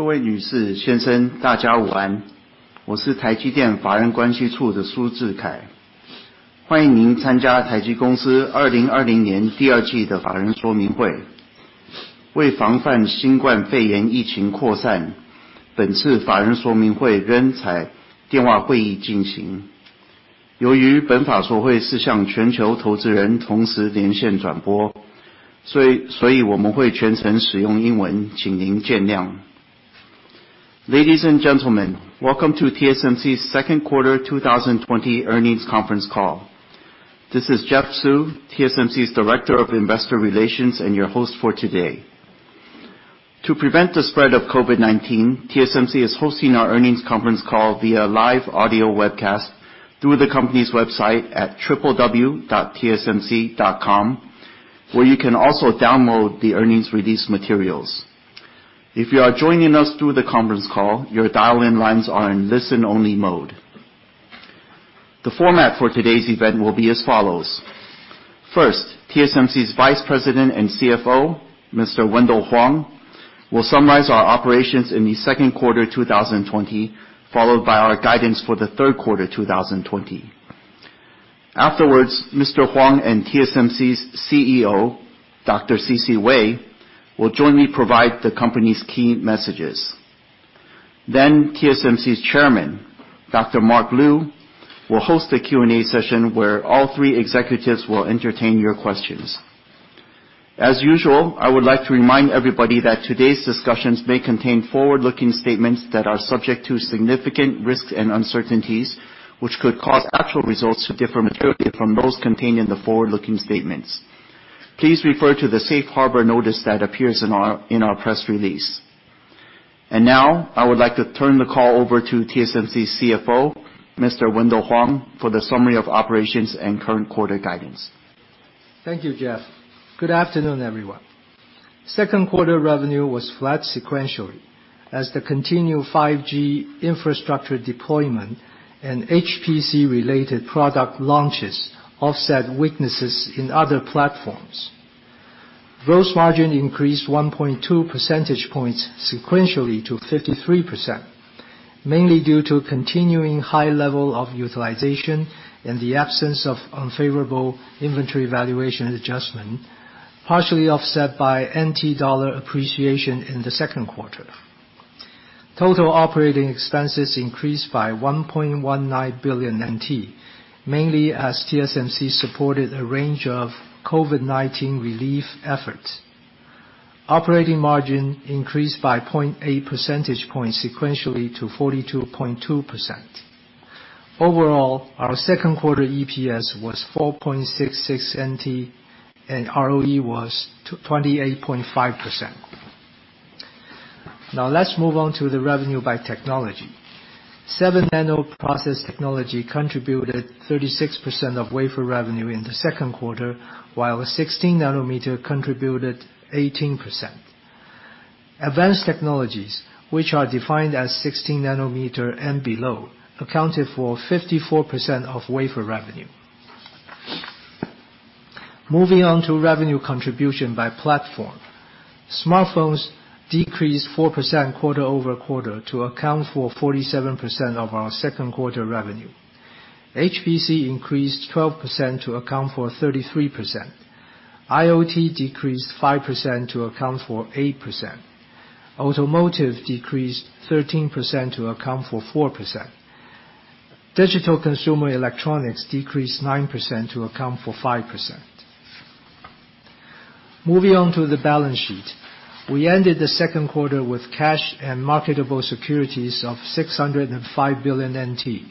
各位女士、先生，大家午安。我是台积电法人关系处的苏智凯。欢迎您参加台积公司2020年第二季的法人说明会。为防范新冠肺炎疫情扩散，本次法人说明会仍采电话会议进行。由于本法说会是向全球投资人同时连线转播，所以我们会全程使用英文，请您见谅。Ladies and gentlemen, welcome to TSMC's second quarter 2020 earnings conference call. This is Jeff Su, TSMC's Director of Investor Relations and your host for today. To prevent the spread of COVID-19, TSMC is hosting our earnings conference call via live audio webcast through the company's website at www.tsmc.com, where you can also download the earnings release materials. If you are joining us through the conference call, your dial-in lines are in listen-only mode. The format for today's event will be as follows. First, TSMC's Vice President and CFO, Mr. Wendell Huang, will summarize our operations in the second quarter 2020, followed by our guidance for the third quarter 2020. Afterwards, Mr. Huang and TSMC's CEO, Dr. C.C. Wei, will jointly provide the company's key messages. Then TSMC's Chairman, Dr. Mark Liu, will host a Q&A session where all three executives will entertain your questions. As usual, I would like to remind everybody that today's discussions may contain forward-looking statements that are subject to significant risks and uncertainties, which could cause actual results to differ materially from those contained in the forward-looking statements. Please refer to the safe harbor notice that appears in our press release. Now, I would like to turn the call over to TSMC CFO, Mr. Wendell Huang, for the summary of operations and current quarter guidance. Thank you, Jeff. Good afternoon, everyone. Second quarter revenue was flat sequentially as the continued 5G infrastructure deployment and HPC related product launches offset weaknesses in other platforms. Gross margin increased 1.2 percentage points sequentially to 53%, mainly due to continuing high level of utilization and the absence of unfavorable inventory valuation adjustment, partially offset by TWD appreciation in the second quarter. Total operating expenses increased by 1.19 billion NT, mainly as TSMC supported a range of COVID-19 relief efforts. Operating margin increased by 0.8 percentage points sequentially to 42.2%. Overall, our second quarter EPS was 4.66 NT and ROE was 28.5%. Let's move on to the revenue by technology. 7nm process technology contributed 36% of wafer revenue in the second quarter, while 16nm contributed 18%. Advanced technologies, which are defined as 16nm and below, accounted for 54% of wafer revenue. Moving on to revenue contribution by platform. Smartphones decreased 4% quarter-over-quarter to account for 47% of our second quarter revenue. HPC increased 12% to account for 33%. IoT decreased 5% to account for 8%. Automotive decreased 13% to account for 4%. Digital consumer electronics decreased 9% to account for 5%. Moving on to the balance sheet. We ended the second quarter with cash and marketable securities of 605 billion NT.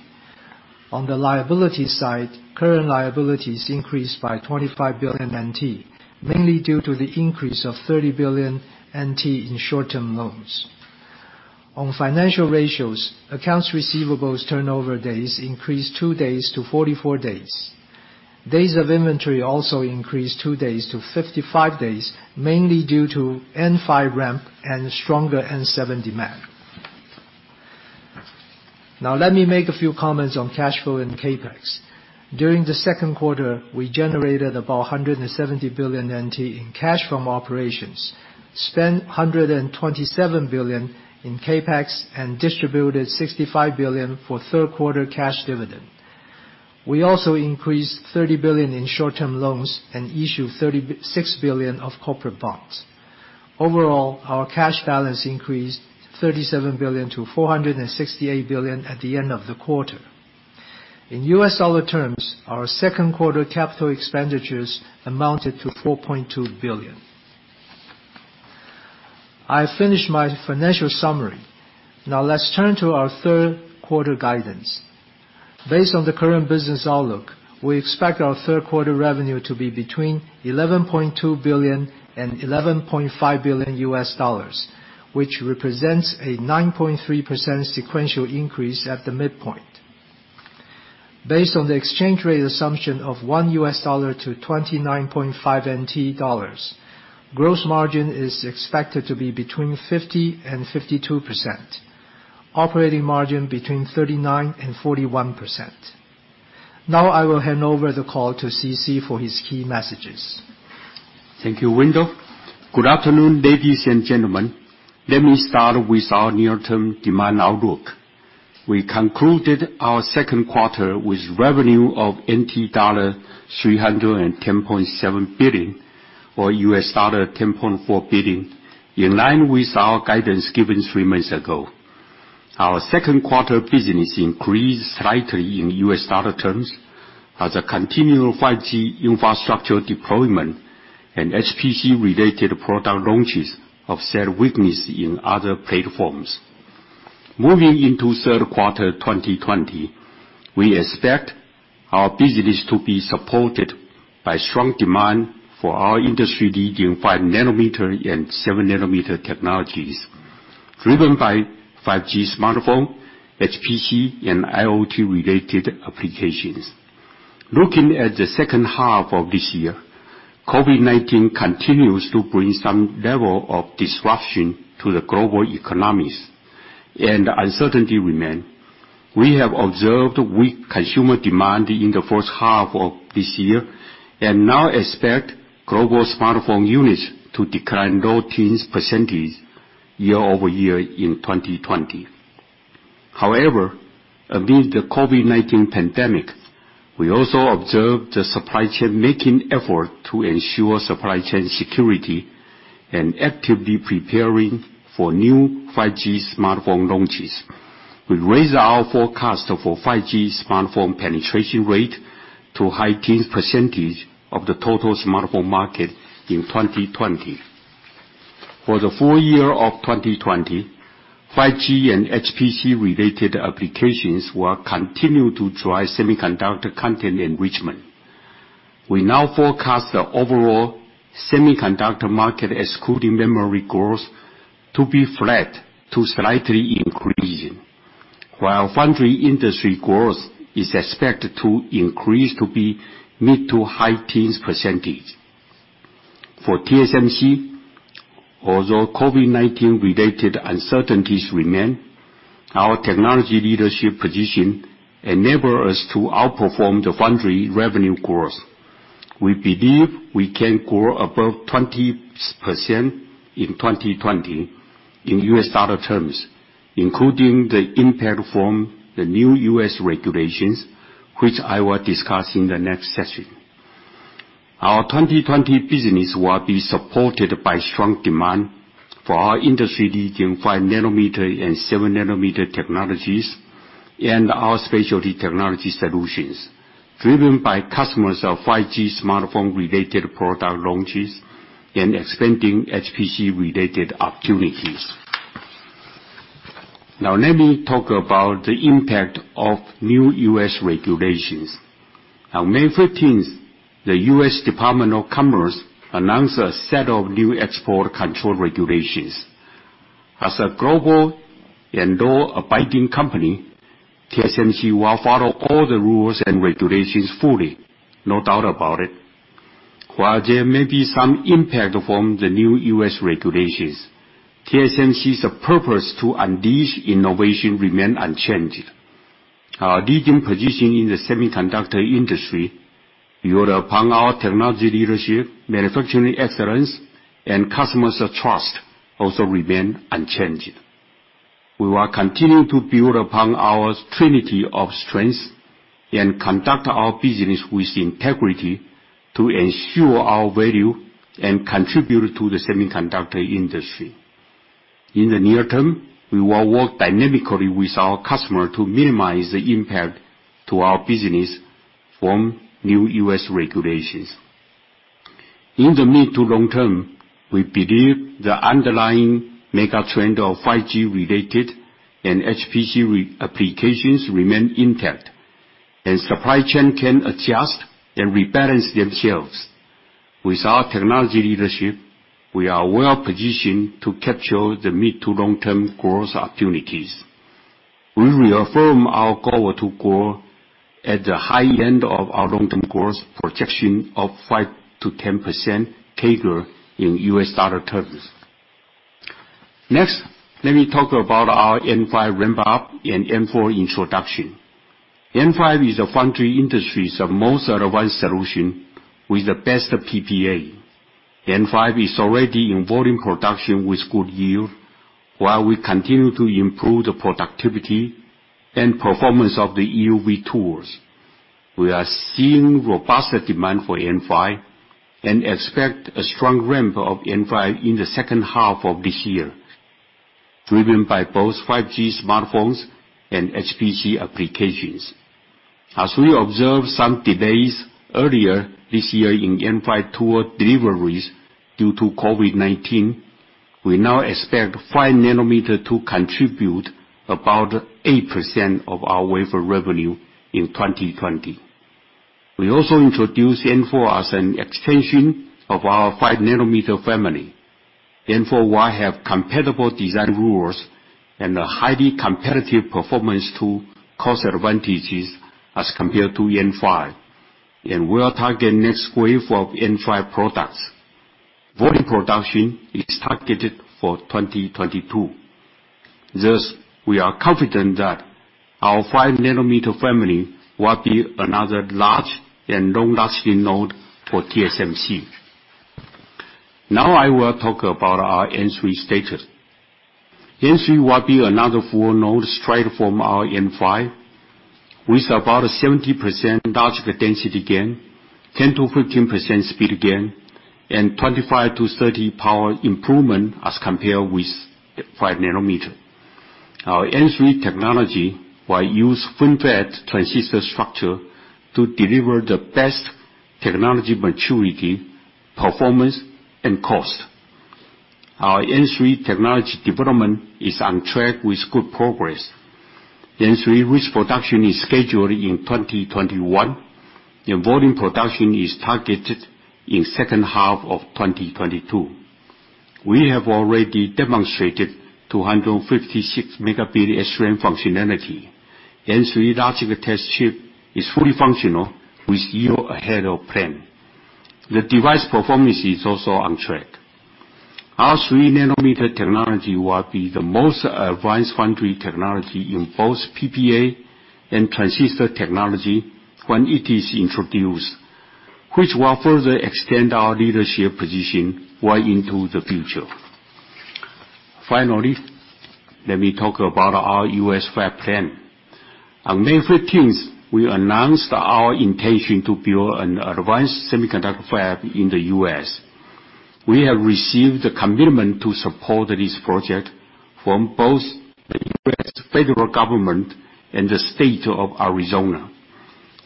On the liability side, current liabilities increased by 25 billion NT, mainly due to the increase of 30 billion NT in short-term loans. On financial ratios, accounts receivables turnover days increased two days to 44 days. Days of inventory also increased two days to 55 days, mainly due to N5 ramp and stronger N7 demand. Now let me make a few comments on cash flow and CapEx. During the second quarter, we generated about 170 billion NT in cash from operations, spent 127 billion in CapEx and distributed 65 billion for third quarter cash dividend. We also increased 30 billion in short-term loans and issued 36 billion of corporate bonds. Overall, our cash balance increased 37 billion to 468 billion at the end of the quarter. In US dollar terms, our second quarter capital expenditures amounted to $4.2 billion. I have finished my financial summary. Now let's turn to our third quarter guidance. Based on the current business outlook, we expect our third quarter revenue to be between $11.2 billion and $11.5 billion, which represents a 9.3% sequential increase at the midpoint. Based on the exchange rate assumption of one U.S. dollar to 29.5 NT dollars, gross margin is expected to be between 50% and 52%, operating margin between 39% and 41%. Now I will hand over the call to C.C. for his key messages. Thank you, Wendell. Good afternoon, ladies and gentlemen. Let me start with our near-term demand outlook. We concluded our second quarter with revenue of NT dollar 310.7 billion, or $10.4 billion, in line with our guidance given three months ago. Our second quarter business increased slightly in USD terms as a continual 5G infrastructure deployment and HPC-related product launches offset weakness in other platforms. Moving into third quarter 2020, we expect our business to be supported by strong demand for our industry-leading 5 nm and 7nm technologies, driven by 5G smartphone, HPC, and IoT-related applications. Looking at the second half of this year, COVID-19 continues to bring some level of disruption to the global economies, and uncertainty remain. We have observed weak consumer demand in the first half of this year. Now expect global smartphone units to decline low teens% year-over-year in 2020. However, amid the COVID-19 pandemic, we also observed the supply chain making effort to ensure supply chain security and actively preparing for new 5G smartphone launches. We raised our forecast for 5G smartphone penetration rate to high teens% of the total smartphone market in 2020. For the full year of 2020, 5G and HPC-related applications will continue to drive semiconductor content enrichment. We now forecast the overall semiconductor market, excluding memory growth, to be flat to slightly increasing, while foundry industry growth is expected to increase to be mid to high teens%. For TSMC, although COVID-19-related uncertainties remain, our technology leadership position enable us to outperform the foundry revenue growth. We believe we can grow above 20% in 2020 in USD terms, including the impact from the new U.S. regulations, which I will discuss in the next session. Our 2020 business will be supported by strong demand for our industry-leading 5 nm and 7nm technologies and our specialty technology solutions, driven by customers of 5G smartphone-related product launches and expanding HPC-related opportunities. Now, let me talk about the impact of new U.S. regulations. On May 15th, the United States Department of Commerce announced a set of new export control regulations. As a global and law-abiding company, TSMC will follow all the rules and regulations fully, no doubt about it. While there may be some impact from the new U.S. regulations, TSMC's purpose to unleash innovation remain unchanged. Our leading position in the semiconductor industry, build upon our technology leadership, manufacturing excellence, and customers' trust also remain unchanged. We will continue to build upon our trinity of strengths and conduct our business with integrity to ensure our value and contribute to the semiconductor industry. In the near term, we will work dynamically with our customer to minimize the impact to our business from new U.S. regulations. In the mid to long term, we believe the underlying mega trend of 5G-related and HPC applications remain intact, and supply chain can adjust and rebalance themselves. With our technology leadership, we are well-positioned to capture the mid to long-term growth opportunities. We reaffirm our goal to grow at the high end of our long-term growth projection of 5%-10% CAGR in U.S. dollar terms. Let me talk about our N5 ramp-up and N4 introduction. N5 is the foundry industry's most advanced solution with the best PPA. N5 is already in volume production with good yield, while we continue to improve the productivity and performance of the EUV tools. We are seeing robust demand for N5 and expect a strong ramp of N5 in the second half of this year, driven by both 5G smartphones and HPC applications. As we observed some delays earlier this year in N5 tool deliveries due to COVID-19, we now expect five nanometer to contribute about 8% of our wafer revenue in 2020. We also introduce N4 as an extension of our five nanometer family. N4 will have compatible design rules and a highly competitive performance to cost advantages as compared to N5, and will target next wave of N5 products. Volume production is targeted for 2022. Thus, we are confident that our five nanometer family will be another large and long-lasting node for TSMC. Now I will talk about our N3 status. N3 will be another full node straight from our N5, with about 70% logic density gain, 10%-15% speed gain, and 25%-30% power improvement as compared with 5 nm. Our N3 technology will use FinFET transistor structure to deliver the best technology maturity, performance, and cost. Our N3 technology development is on track with good progress. N3 risk production is scheduled in 2021, and volume production is targeted in second half of 2022. We have already demonstrated 256 megabit SRAM functionality. N3 logic test chip is fully functional, with yield ahead of plan. The device performance is also on track. Our 3 nm technology will be the most advanced foundry technology in both PPA and transistor technology when it is introduced, which will further extend our leadership position way into the future. Let me talk about our U.S. fab plan. On May 15th, we announced our intention to build an advanced semiconductor fab in the U.S. We have received a commitment to support this project from both the U.S. federal government and the state of Arizona.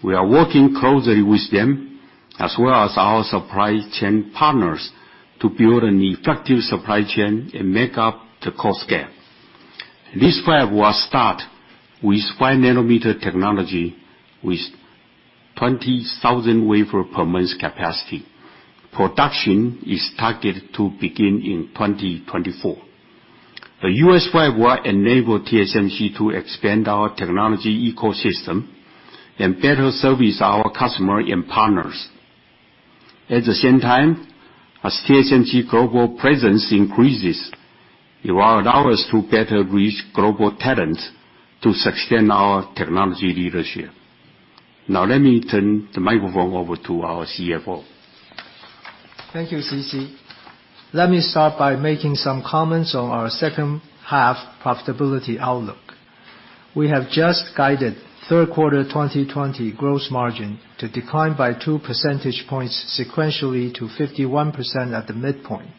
We are working closely with them, as well as our supply chain partners, to build an effective supply chain and make up the cost scale. This fab will start with 5 nm technology, with 20,000 wafer per month capacity. Production is targeted to begin in 2024. The U.S. fab will enable TSMC to expand our technology ecosystem and better service our customer and partners. At the same time, as TSMC global presence increases, it will allow us to better reach global talents to sustain our technology leadership. Now let me turn the microphone over to our CFO. Thank you, CC. Let me start by making some comments on our second half profitability outlook. We have just guided third quarter 2020 gross margin to decline by two percentage points sequentially to 51% at the midpoint,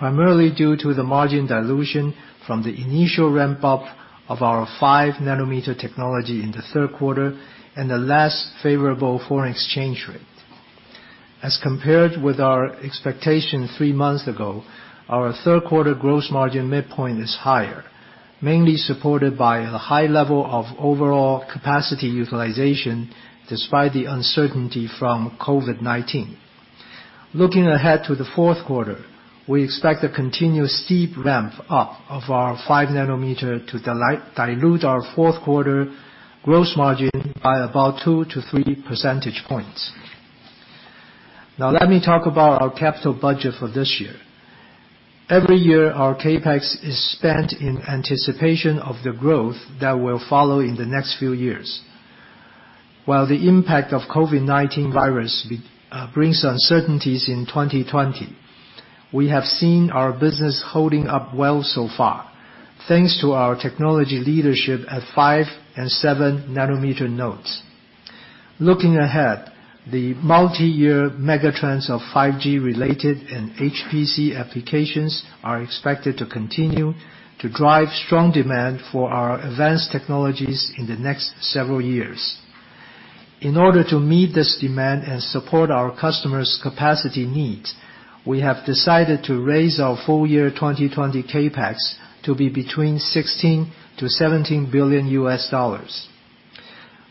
primarily due to the margin dilution from the initial ramp-up of our 5 nm technology in the third quarter and a less favorable foreign exchange rate. As compared with our expectation three months ago, our third quarter gross margin midpoint is higher, mainly supported by the high level of overall capacity utilization, despite the uncertainty from COVID-19. Looking ahead to the fourth quarter, we expect a continuous steep ramp-up of our 5 nm to dilute our fourth quarter gross margin by about two to three percentage points. Now let me talk about our capital budget for this year. Every year, our CapEx is spent in anticipation of the growth that will follow in the next few years. While the impact of COVID-19 virus brings uncertainties in 2020, we have seen our business holding up well so far, thanks to our technology leadership at 5 nm and 7nm nodes. Looking ahead, the multi-year megatrends of 5G related and HPC applications are expected to continue to drive strong demand for our advanced technologies in the next several years. In order to meet this demand and support our customers' capacity needs, we have decided to raise our full year 2020 CapEx to be between $16 billion-$17 billion.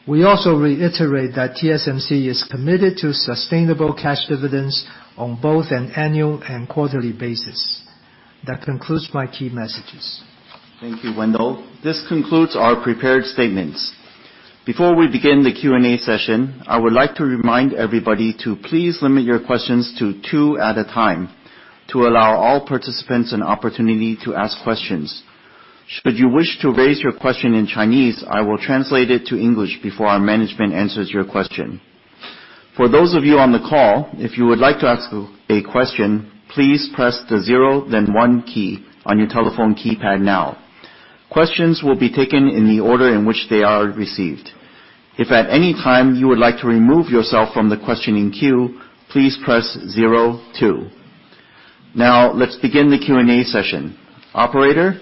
We also reiterate that TSMC is committed to sustainable cash dividends on both an annual and quarterly basis. That concludes my key messages. Thank you, Wendell. This concludes our prepared statements. Before we begin the Q&A session, I would like to remind everybody to please limit your questions to two at a time to allow all participants an opportunity to ask questions. Should you wish to raise your question in Chinese, I will translate it to English before our management answers your question. For those of you on the call, if you would like to ask a question, please press the zero then one key on your telephone keypad now. Questions will be taken in the order in which they are received. If at any time you would like to remove yourself from the questioning queue, please press zero two. Now, let's begin the Q&A session. Operator,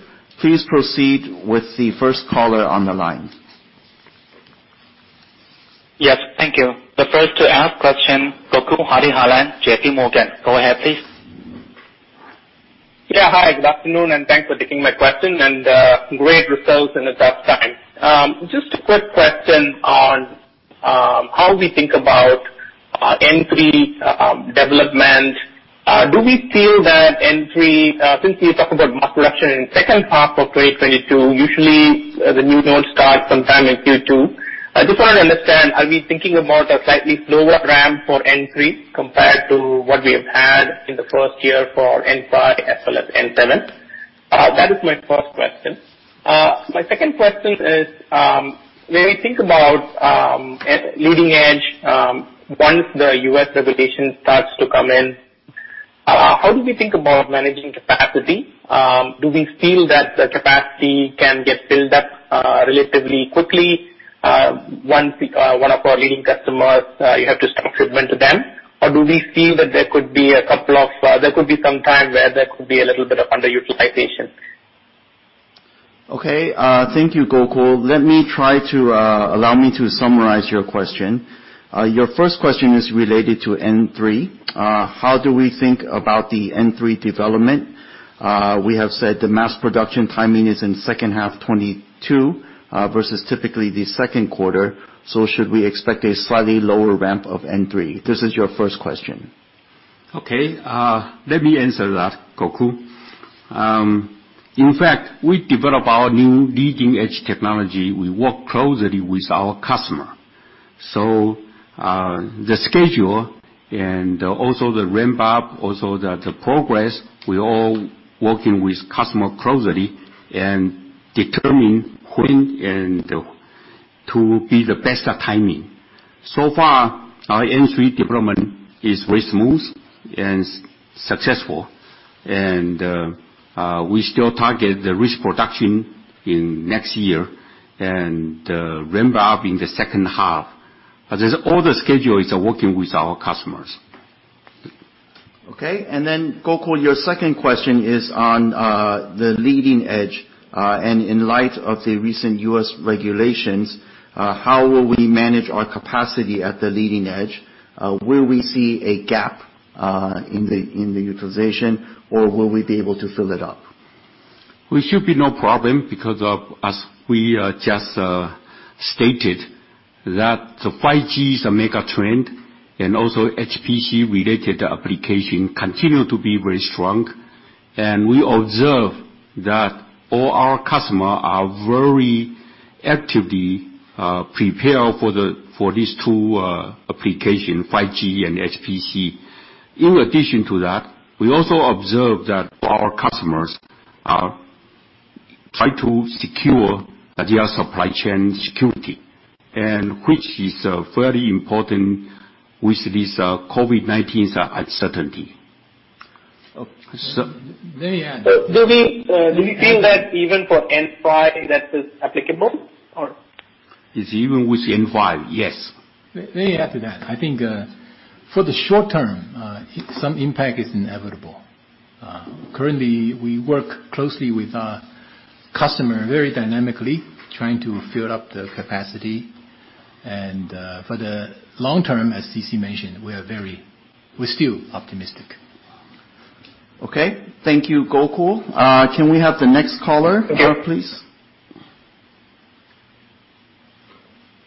please proceed with the first caller on the line. Yes, thank you. The first to ask question, Gokul Hariharan, JPMorgan. Go ahead, please. Yeah. Hi, good afternoon, thanks for taking my question, great results in a tough time. Just a quick question on how we think about our N3 development. Do we feel that N3, since you talk about mass production in second half of 2022, usually the new node starts sometime in Q2? I just want to understand, are we thinking about a slightly slower ramp for N3 compared to what we have had in the first year for N5 as well as N7? That is my first question. My second question is, when we think about leading-edge, once the U.S. regulation starts to come in, how do we think about managing capacity? Do we feel that the capacity can get built up relatively quickly once one of our leading customers, you have to start shipment to them? Do we feel that there could be some time where there could be a little bit of underutilization? Okay. Thank you, Gokul. Allow me to summarize your question. Your first question is related to N3. How do we think about the N3 development? We have said the mass production timing is in second half 2022, versus typically the second quarter. Should we expect a slightly lower ramp of N3? This is your first question. Okay. Let me answer that, Gokul. In fact, we develop our new leading-edge technology, we work closely with our customer. The schedule and also the ramp-up, also the progress, we all working with customer closely and determine when and to be the best timing. So far, our N3 development is very smooth and successful, and we still target the risk production in next year, and ramp-up in the second half. All the schedule is working with our customers. Okay. Gokul, your second question is on the leading edge. In light of the recent U.S. regulations, how will we manage our capacity at the leading edge? Will we see a gap in the utilization, or will we be able to fill it up? We should be no problem because as we just stated that the 5G is a mega trend and also HPC related application continue to be very strong. We observe that all our customer are very actively prepare for these two application, 5G and HPC. In addition to that, we also observe that our customers are trying to secure their supply chain security, which is very important with this COVID-19 uncertainty. So, may I add- Do we feel that even for N5 that is applicable or? It's even with N5. Yes. May I add to that? I think for the short term, some impact is inevitable. Currently, we work closely with our customer, very dynamically trying to fill up the capacity. For the long term, as C.C. mentioned, we're still optimistic. Okay. Thank you, Gokul. Can we have the next caller here, please?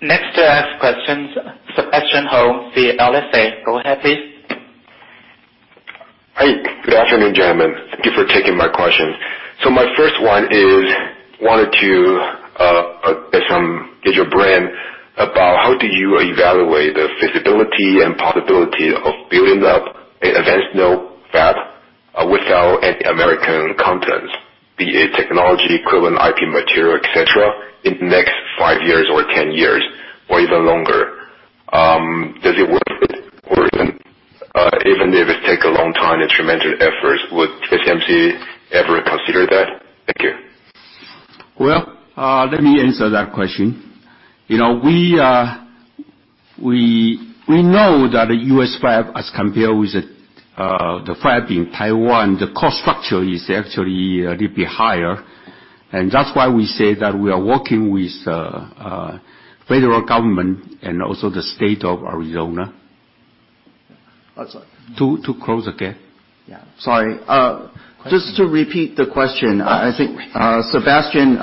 Next to ask questions, Sebastian Hou, CLSA. Go ahead, please. Hi. Good afternoon, gentlemen. Thank you for taking my question. My first one is, wanted to get some, [dig your brain] about how do you evaluate the feasibility and possibility of building up an advanced node fab without any American contents, be it technology, equivalent IP material, et cetera, in next five years or 10 years or even longer. Does it worth it or even if it take a long time and tremendous efforts, would TSMC ever consider that? Thank you. Well, let me answer that question. We know that the U.S. fab as compared with the fab in Taiwan, the cost structure is actually a little bit higher. That's why we say that we are working with federal government and also the state of Arizona. I'm sorry. To close the gap. Yeah. Sorry. Just to repeat the question. I think Sebastian,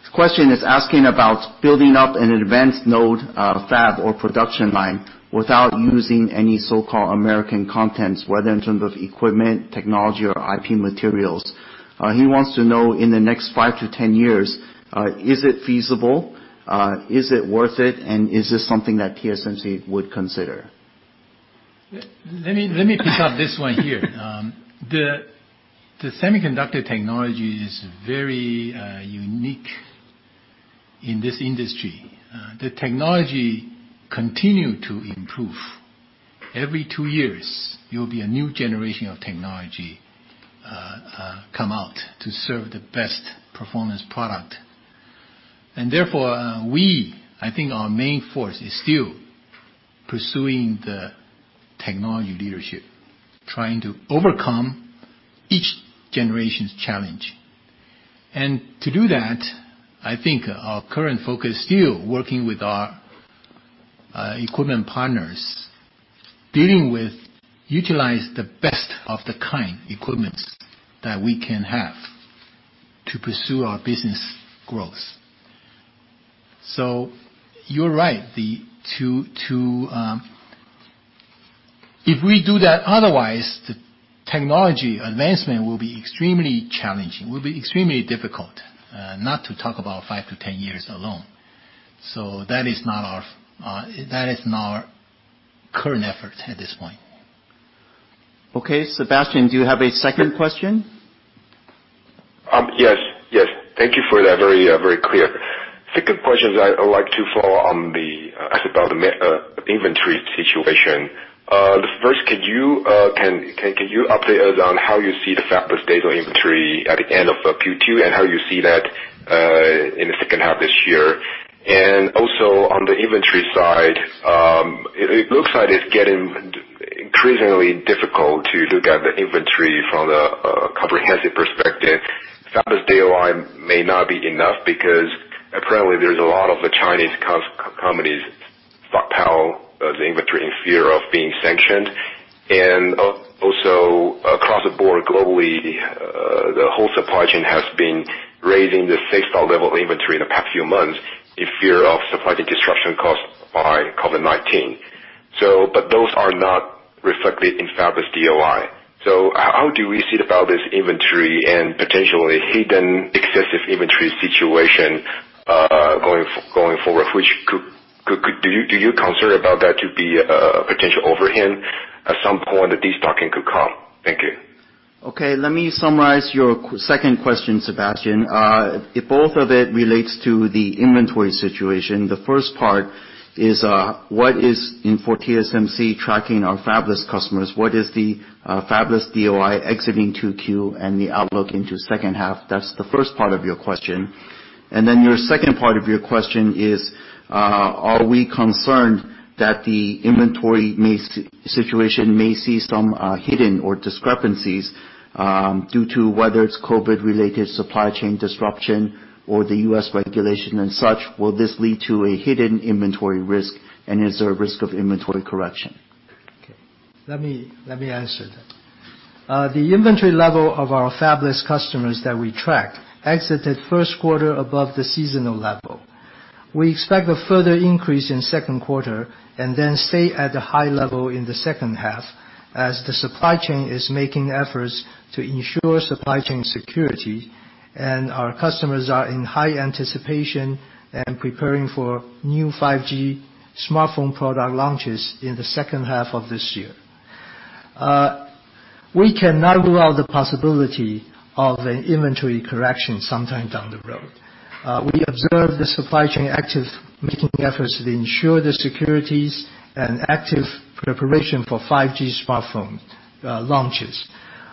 his question is asking about building up an advanced node fab or production line without using any so-called American contents, whether in terms of equipment, technology, or IP materials. He wants to know in the next five to 10 years, is it feasible? Is it worth it? Is this something that TSMC would consider? Let me pick up this one here. The semiconductor technology is very unique in this industry. The technology continue to improve. Every two years, there will be a new generation of technology come out to serve the best performance product. Therefore, I think our main force is still pursuing the technology leadership, trying to overcome each generation's challenge. To do that, I think our current focus is still working with our equipment partners, dealing with utilize the best of the kind equipments that we can have to pursue our business growth. You're right. If we do that otherwise, the technology advancement will be extremely challenging, will be extremely difficult, not to talk about 5-10 years alone. That is not our current effort at this point. Okay, Sebastian, do you have a second question? Yes. Thank you for that. Very clear. Second question, I would like to follow on the inventory situation. First, can you update us on how you see the fabless days of inventory at the end of Q2, and how you see that in the second half this year? On the inventory side, it looks like it's getting increasingly difficult to look at the inventory from a comprehensive perspective. Fabless DOI may not be enough because apparently there's a lot of the Chinese companies stockpile the inventory in fear of being sanctioned. Across the board globally, the whole supply chain has been raising the safe stock level inventory in the past few months in fear of supply disruption caused by COVID-19. Those are not reflected in fabless DOI. How do we see about this inventory and potentially hidden excessive inventory situation going forward? Do you concerned about that to be a potential overhang, at some point a destocking could come? Thank you. Okay, let me summarize your second question, Sebastian. Both of it relates to the inventory situation. The first part is, what is, in for TSMC tracking our fabless customers, what is the fabless DOI exiting 2Q and the outlook into second half? That's the first part of your question. Your second part of your question is, are we concerned that the inventory situation may see some hidden or discrepancies due to whether it's COVID-related supply chain disruption or the U.S. regulation and such? Will this lead to a hidden inventory risk? Is there a risk of inventory correction? Okay. Let me answer that. The inventory level of our fabless customers that we track exited first quarter above the seasonal level. We expect a further increase in second quarter, and then stay at a high level in the second half as the supply chain is making efforts to ensure supply chain security, and our customers are in high anticipation and preparing for new 5G smartphone product launches in the second half of this year. We cannot rule out the possibility of an inventory correction sometime down the road. We observe the supply chain active, making efforts to ensure the security and active preparation for 5G smartphone launches.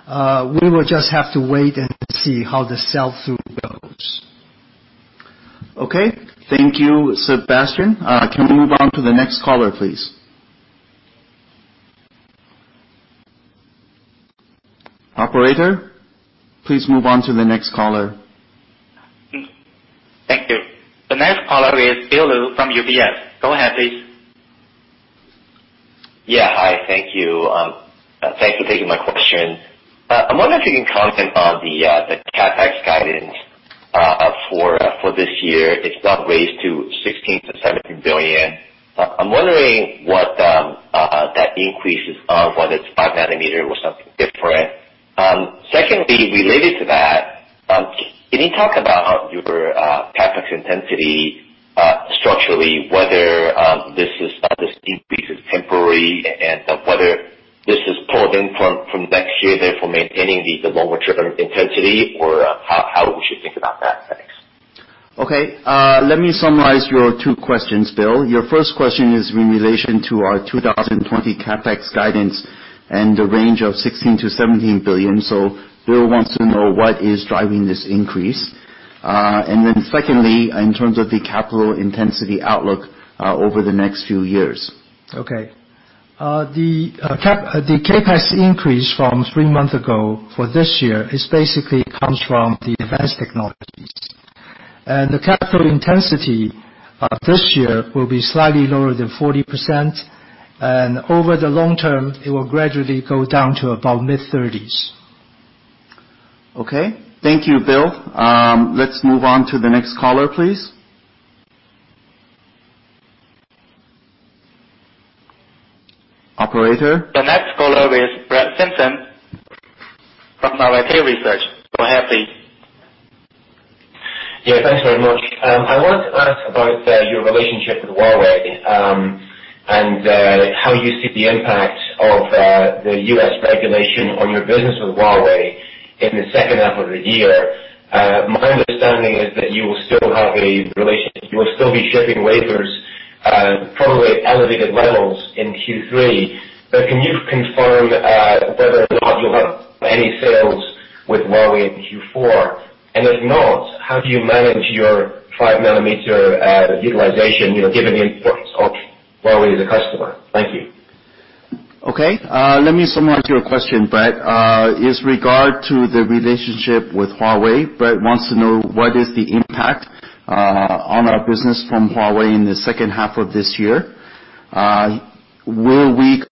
We will just have to wait and see how the sell-through goes. Okay. Thank you, Sebastian. Can we move on to the next caller, please? Operator, please move on to the next caller. Thank you. The next caller is Bill Lu from UBS. Go ahead, please. Hi, thank you. Thanks for taking my question. I'm wondering if you can comment on the CapEx guidance for this year. It's now raised to $16 billion-$17 billion. I'm wondering what that increase is on, whether it's 5 nm or something different. Secondly, related to that, can you talk about your CapEx intensity structurally, whether this increase is temporary and whether this is pulled in from next year, therefore maintaining the lower trigger intensity, or how we should think about that CapEx? Okay. Let me summarize your two questions, Bill. Your first question is in relation to our 2020 CapEx guidance and the range of 16 billion-17 billion. Bill wants to know what is driving this increase. Secondly, in terms of the capital intensity outlook over the next few years. Okay. The CapEx increase from three months ago for this year is basically comes from the advanced technologies. The capital intensity of this year will be slightly lower than 40%, and over the long term, it will gradually go down to about mid-30s. Okay. Thank you, Bill. Let's move on to the next caller, please. Operator? The next caller is Brett Simpson from Arete Research. Go ahead, please. Yeah, thanks very much. I wanted to ask about your relationship with Huawei, and how you see the impact of the U.S. regulation on your business with Huawei in the second half of the year. My understanding is that you will still have a relationship, you will still be shipping wafers, probably at elevated levels in Q3. Can you confirm whether or not you'll have any sales with Huawei in Q4? If not, how do you manage your 5 nm utilization, given the importance of Huawei as a customer? Thank you. Okay. Let me summarize your question, Brett. It's regard to the relationship with Huawei. Brett wants to know what is the impact on our business from Huawei in the second half of this year. Will we?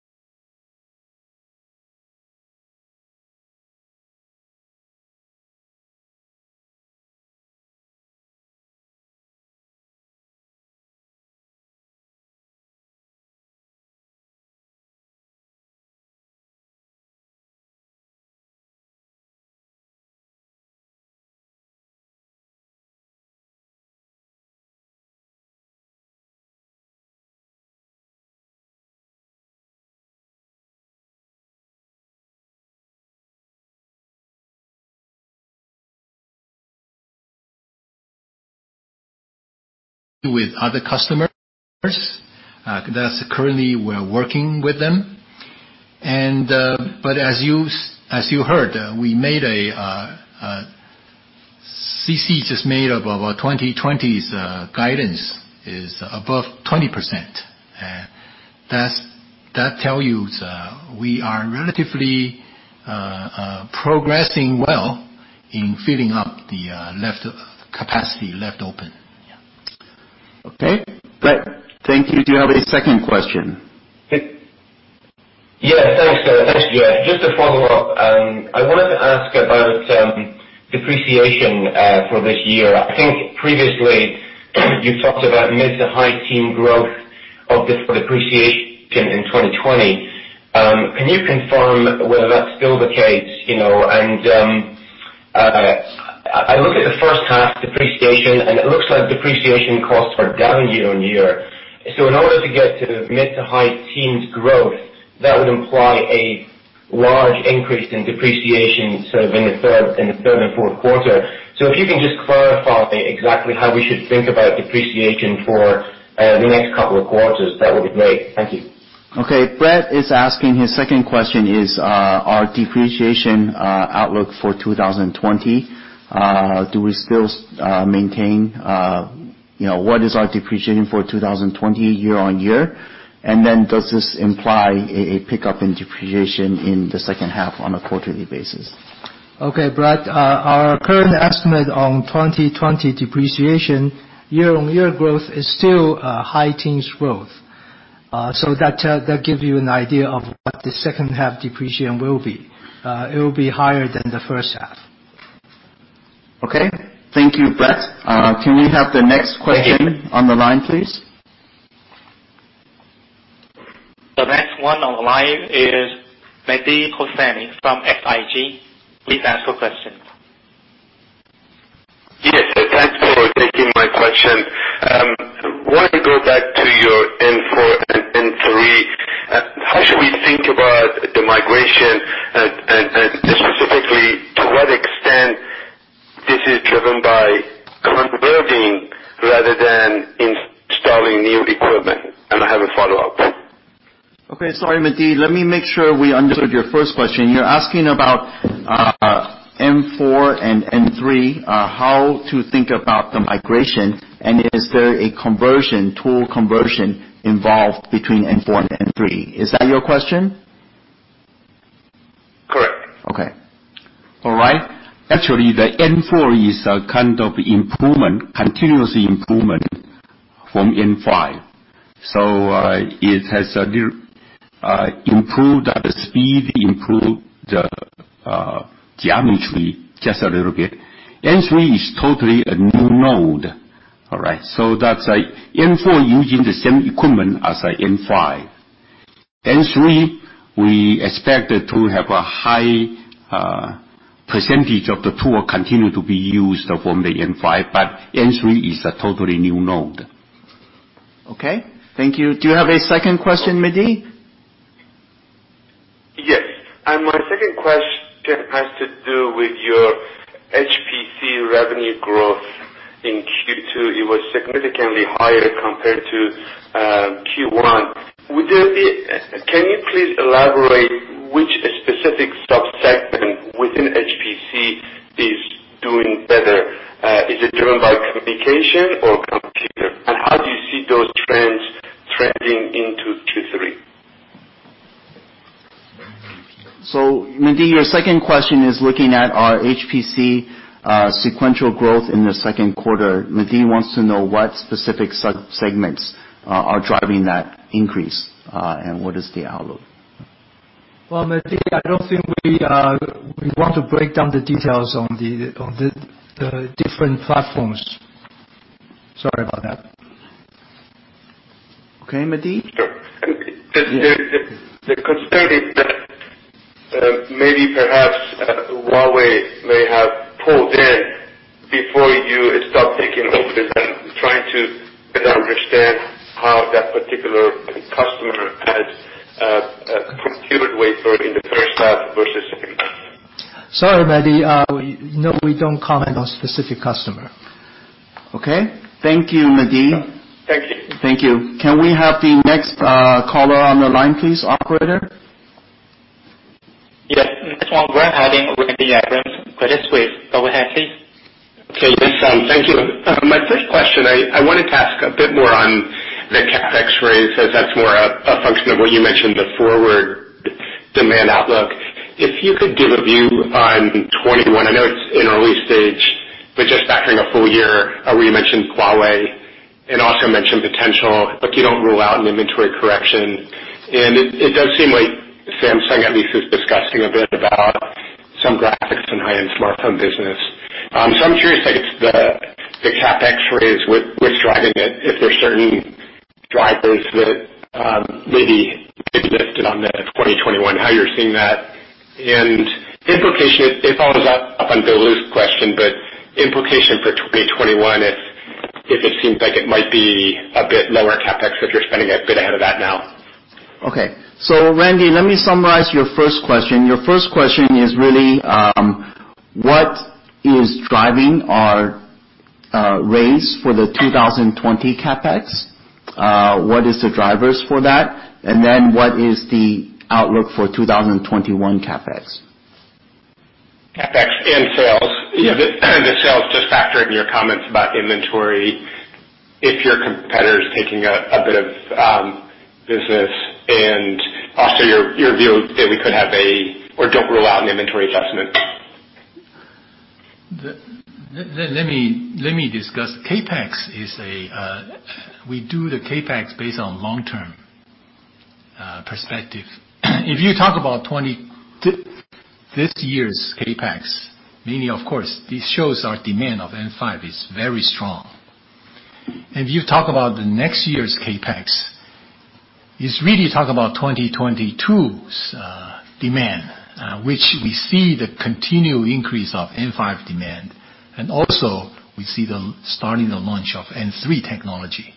With other customers. Currently, we're working with them. As you heard, CC just laid up our 2020's guidance is above 20%. That tell you that we are relatively progressing well in filling up the capacity left open. Yeah. Okay. Brett, thank you. Do you have a second question? Yeah, thanks. Just a follow-up. I wanted to ask about depreciation for this year. I think previously you talked about mid to high teen growth of this depreciation in 2020. Can you confirm whether that's still the case? I looked at the first half depreciation, and it looks like depreciation costs are down year-on-year. In order to get to mid to high teens growth, that would imply a large increase in depreciation sort of in the third and fourth quarter. If you can just clarify exactly how we should think about depreciation for the next couple of quarters, that would be great. Thank you. Okay. Brett is asking his second question is our depreciation outlook for 2020. Do we still maintain, what is our depreciation for 2020 year-on-year? Does this imply a pickup in depreciation in the second half on a quarterly basis? Okay. Brett, our current estimate on 2020 depreciation year-over-year growth is still high teens growth. That gives you an idea of what the second half depreciation will be. It will be higher than the first half. Okay. Thank you, Brett. Can we have the next question on the line, please? The next one on the line is Mehdi Hosseini from SIG. Please ask your question. Yes. Thanks for taking my question. Wanted to go back to your N4 and N3. How should we think about the migration and, specifically, to what extent this is driven by converting rather than installing new equipment? I have a follow-up. Okay. Sorry, Mehdi, let me make sure we understood your first question. You're asking about N4 and N3, how to think about the migration, and is there a conversion, tool conversion involved between N4 and N3. Is that your question? Correct. Okay. All right. Actually, the N4 is a kind of continuous improvement from N5. It has improved the speed, improved the geometry just a little bit. N3 is totally a new node. All right? That's N4 using the same equipment as a N5. N3, we expect it to have a high percentage of the tool continue to be used from the N5, but N3 is a totally new node. Okay. Thank you. Do you have a second question, Mehdi? Yes. My second question has to do with your HPC revenue growth in Q2. It was significantly higher compared to Q1. Can you please elaborate which specific sub-segment within HPC is doing better? Is it driven by communication or computer? How do you see those trends trending into Q3? Mehdi, your second question is looking at our HPC sequential growth in the second quarter. Mehdi wants to know what specific sub-segments are driving that increase, and what is the outlook. Well, Mehdi, I don't think we want to break down the details on the different platforms. Sorry about that. Okay, Mehdi? Sure. The concern is that maybe, perhaps, Huawei may have pulled in before you start taking orders, and trying to better understand how that particular customer has consumed wafer in the first half versus second. Sorry, Mehdi. No, we don't comment on specific customer. Okay. Thank you, Mehdi. Thank you. Thank you. Can we have the next caller on the line, please, operator? Yes. Next one we're having. Okay. Thank you. My first question, I wanted to ask a bit more on the CapEx raise as that's more a function of what you mentioned, the forward demand outlook. If you could give a view on 2021, I know it's in early stage, but just factoring a full year. You mentioned Huawei and also mentioned potential, like you don't rule out an inventory correction. It does seem like Samsung at least is discussing a bit about some GAA business. I'm curious if it's the CapEx raise, what's driving it, if there's certain drivers that maybe existed on the 2021, how you're seeing that. It follows up on Bill Lu's question, but implication for 2021, if it seems like it might be a bit lower CapEx, if you're spending a bit ahead of that now. Okay. Randy, let me summarize your first question. Your first question is really, what is driving our raise for the 2020 CapEx? What is the drivers for that? What is the outlook for 2021 CapEx? CapEx and sales. Yeah. The sales, just factoring in your comments about inventory, if your competitor is taking a bit of business and also your view that we could have a, or don't rule out an inventory adjustment. Let me discuss. We do the CapEx based on long-term perspective. If you talk about this year's CapEx, meaning, of course, this shows our demand of N5 is very strong. If you talk about the next year's CapEx, it is really talk about 2022's demand, which we see the continued increase of N5 demand, and also we see the starting the launch of N3 technology.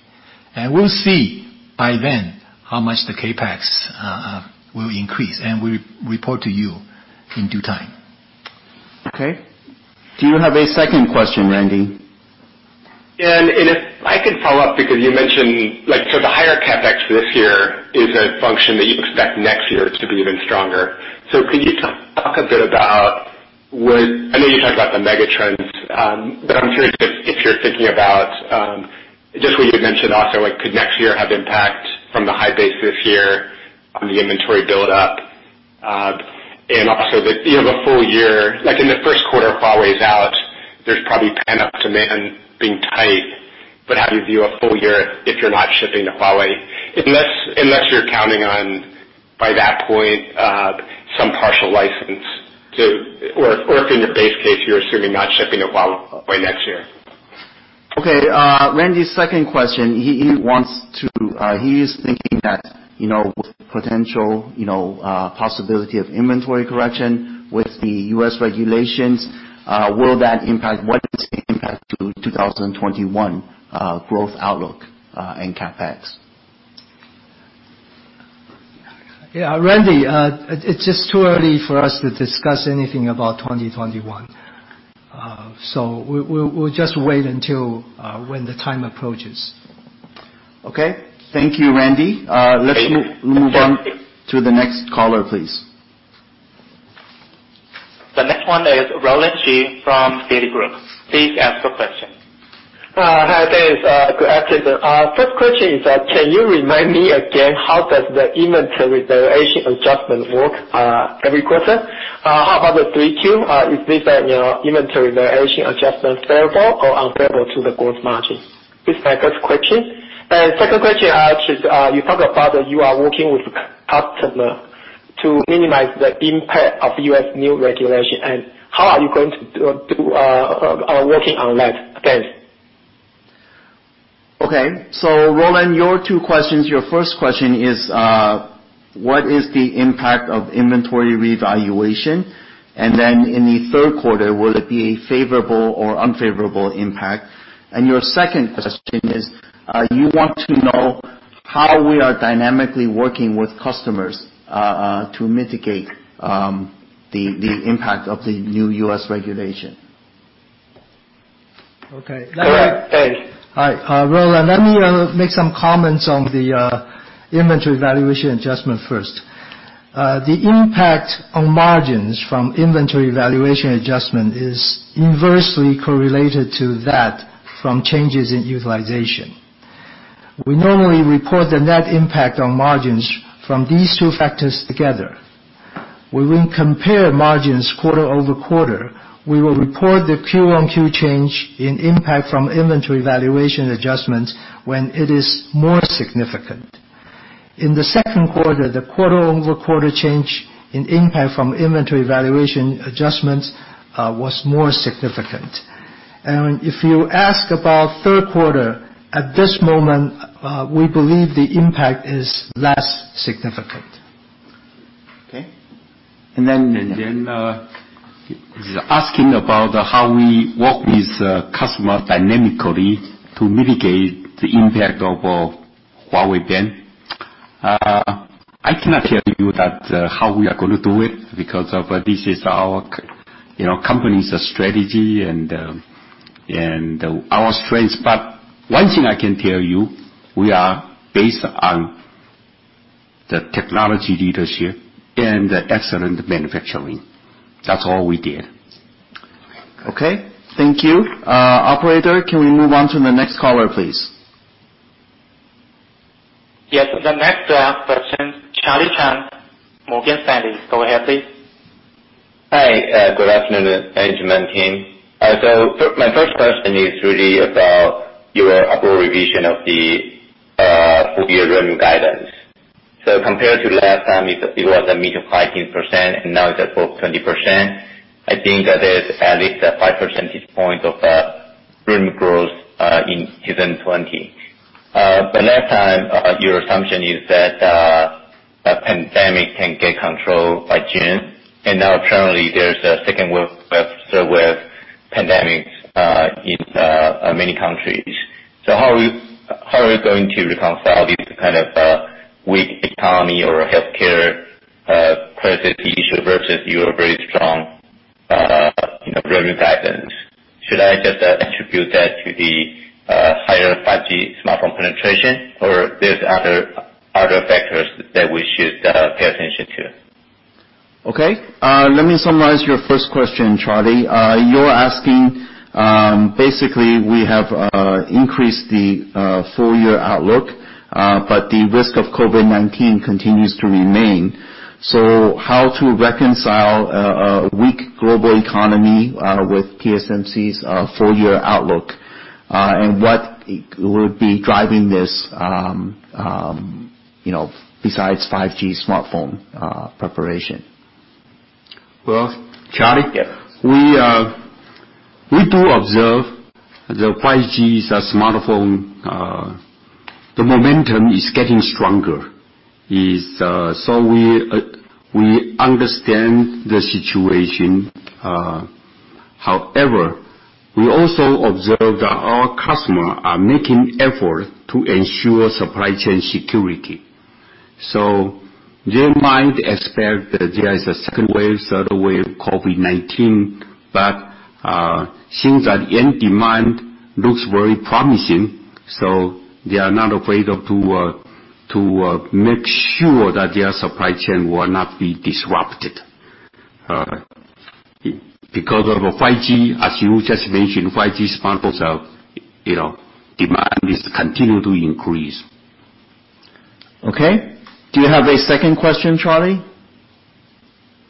We'll see by then how much the CapEx will increase, and we will report to you in due time. Okay. Do you have a second question, Randy? Yeah. If I could follow up because you mentioned, the higher CapEx this year is a function that you expect next year to be even stronger. Could you talk a bit about what I know you talked about the mega trends, but I'm curious if you're thinking about just what you had mentioned also, could next year have impact from the high base this year on the inventory build-up? Also that you have a full year, like in the first quarter, Huawei's out, there's probably pent-up demand being tight, but how do you view a full year if you're not shipping to Huawei? Unless you're counting on, by that point, some partial license to Or if in your base case, you're assuming not shipping to Huawei next year. Okay. Randy's second question. He is thinking that with potential possibility of inventory correction with the U.S. regulations, what is the impact to 2021 growth outlook and CapEx? Randy, it's just too early for us to discuss anything about 2021. We'll just wait until when the time approaches. Okay. Thank you, Randy. Thank you. Let's move on to the next caller, please. The next one is Roland Shu from Citigroup. Please ask your question. Hi, thanks. Good afternoon. First question is, can you remind me again how does the inventory valuation adjustment work every quarter? How about the 3Q? Is this an inventory valuation adjustment favorable or unfavorable to the gross margin? This is my first question. Second question, actually, you talked about that you are working with customer to minimize the impact of U.S. new regulation. How are you going to do working on that, again? Okay. Roland, your two questions. Your first question is, what is the impact of inventory revaluation? In the third quarter, will it be a favorable or unfavorable impact? Your second question is, you want to know how we are dynamically working with customers to mitigate the impact of the new U.S. regulation. Okay. Go ahead. Thanks. All right. Roland, let me make some comments on the inventory valuation adjustment first. The impact on margins from inventory valuation adjustment is inversely correlated to that from changes in utilization. We normally report the net impact on margins from these two factors together. We will compare margins quarter-over-quarter. We will report the Q-on-Q change in impact from inventory valuation adjustments when it is more significant. In the second quarter, the quarter-over-quarter change in impact from inventory valuation adjustments was more significant. If you ask about third quarter, at this moment, we believe the impact is less significant. Okay. He's asking about how we work with customer dynamically to mitigate the impact of Huawei ban. I cannot tell you that how we are going to do it because this is our company's strategy and our strengths. One thing I can tell you, we are based on the technology leadership and the excellent manufacturing. That's all we did. Okay. Thank you. Operator, can we move on to the next caller, please? Yes. The next person, Charlie Chan, Morgan Stanley. Go ahead, please. Hi. Good afternoon, management team. My first question is really about your upward revision of the compared to last time, it was a mid to high teen%, and now it's at both 20%. I think that is at least a five percentage point of revenue growth in 2020. Last time, your assumption is that the pandemic can get controlled by June, and now currently there's a second wave, third wave pandemic in many countries. How are we going to reconcile this kind of weak economy or healthcare crisis issue versus your very strong revenue patterns? Should I just attribute that to the higher 5G smartphone penetration, or there's other factors that we should pay attention to? Okay. Let me summarize your question, Charlie. You're asking, basically, we have increased the full year outlook, but the risk of COVID-19 continues to remain. How to reconcile a weak global economy with TSMC's full year outlook, and what will be driving this besides 5G smartphone preparation? Well, Charlie- Yeah. We do observe the 5G smartphone, the momentum is getting stronger. We understand the situation. However, we also observe that our customer are making effort to ensure supply chain security. They might expect that there is a second wave, third wave of COVID-19, but since that end demand looks very promising, so they are not afraid to make sure that their supply chain will not be disrupted. Because of 5G, as you just mentioned, 5G smartphones demand is continue to increase. Okay. Do you have a second question, Charlie?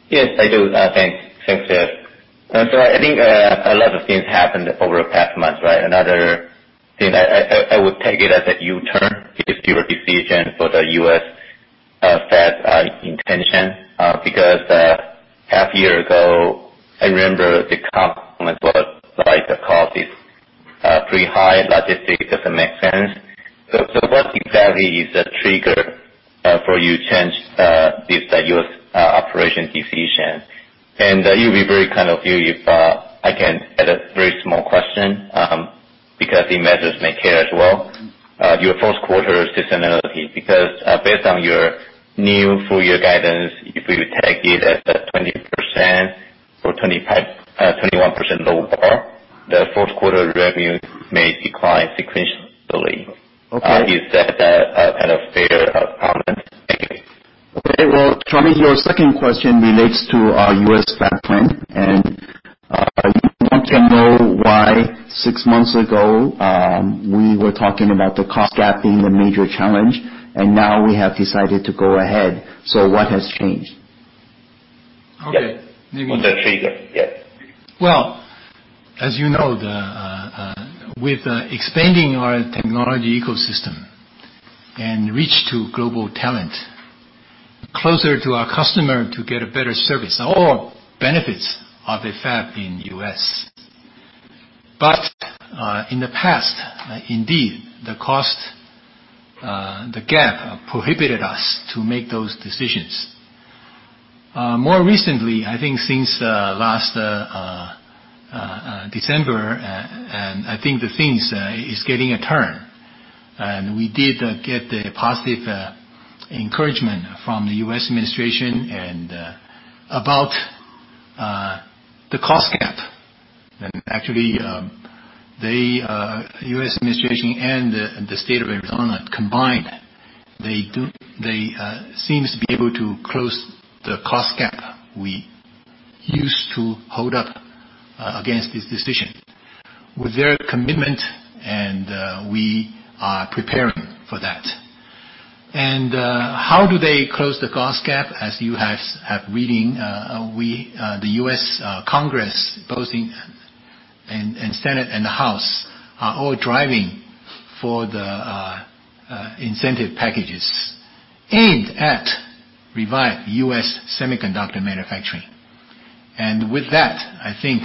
Yes, I do. Thanks. I think a lot of things happened over the past month, right? Another thing, I would take it as a U-turn, is your decision for the U.S. fab intention. Half year ago, I remember the comment was like the cost is pretty high, logistic doesn't make sense. What exactly is the trigger for you change this U.S. operation decision? It'll be very kind of you if I can add a very small question, because the management may care as well. Your first quarter seasonality. Based on your new full year guidance, if we take it as a 20% or 21% lower bar, the fourth quarter revenue may decline sequentially. Okay. Is that a kind of fair comment? Thank you. Okay. Well, Charlie, your second question relates to our U.S. fab plan, and you want to know why six months ago, we were talking about the cost gap being the major challenge, and now we have decided to go ahead. What has changed? Okay. Yes. On the trigger. Yes. Well, as you know, with expanding our technology ecosystem and reach to global talent, closer to our customer to get a better service, all benefits of a fab in U.S. In the past, indeed, the cost, the gap prohibited us to make those decisions. More recently, I think since last December, and I think the things is getting a turn, and we did get the positive encouragement from the U.S. administration about the cost gap. Actually, the U.S. administration and the state of Arizona combined, they seems to be able to close the cost gap we used to hold up against this decision. With their commitment, and we are preparing for that. How do they close the cost gap? As you have reading, the U.S. Congress, both in Senate and the House, are all driving for the incentive packages aimed at revive U.S. semiconductor manufacturing. With that, I think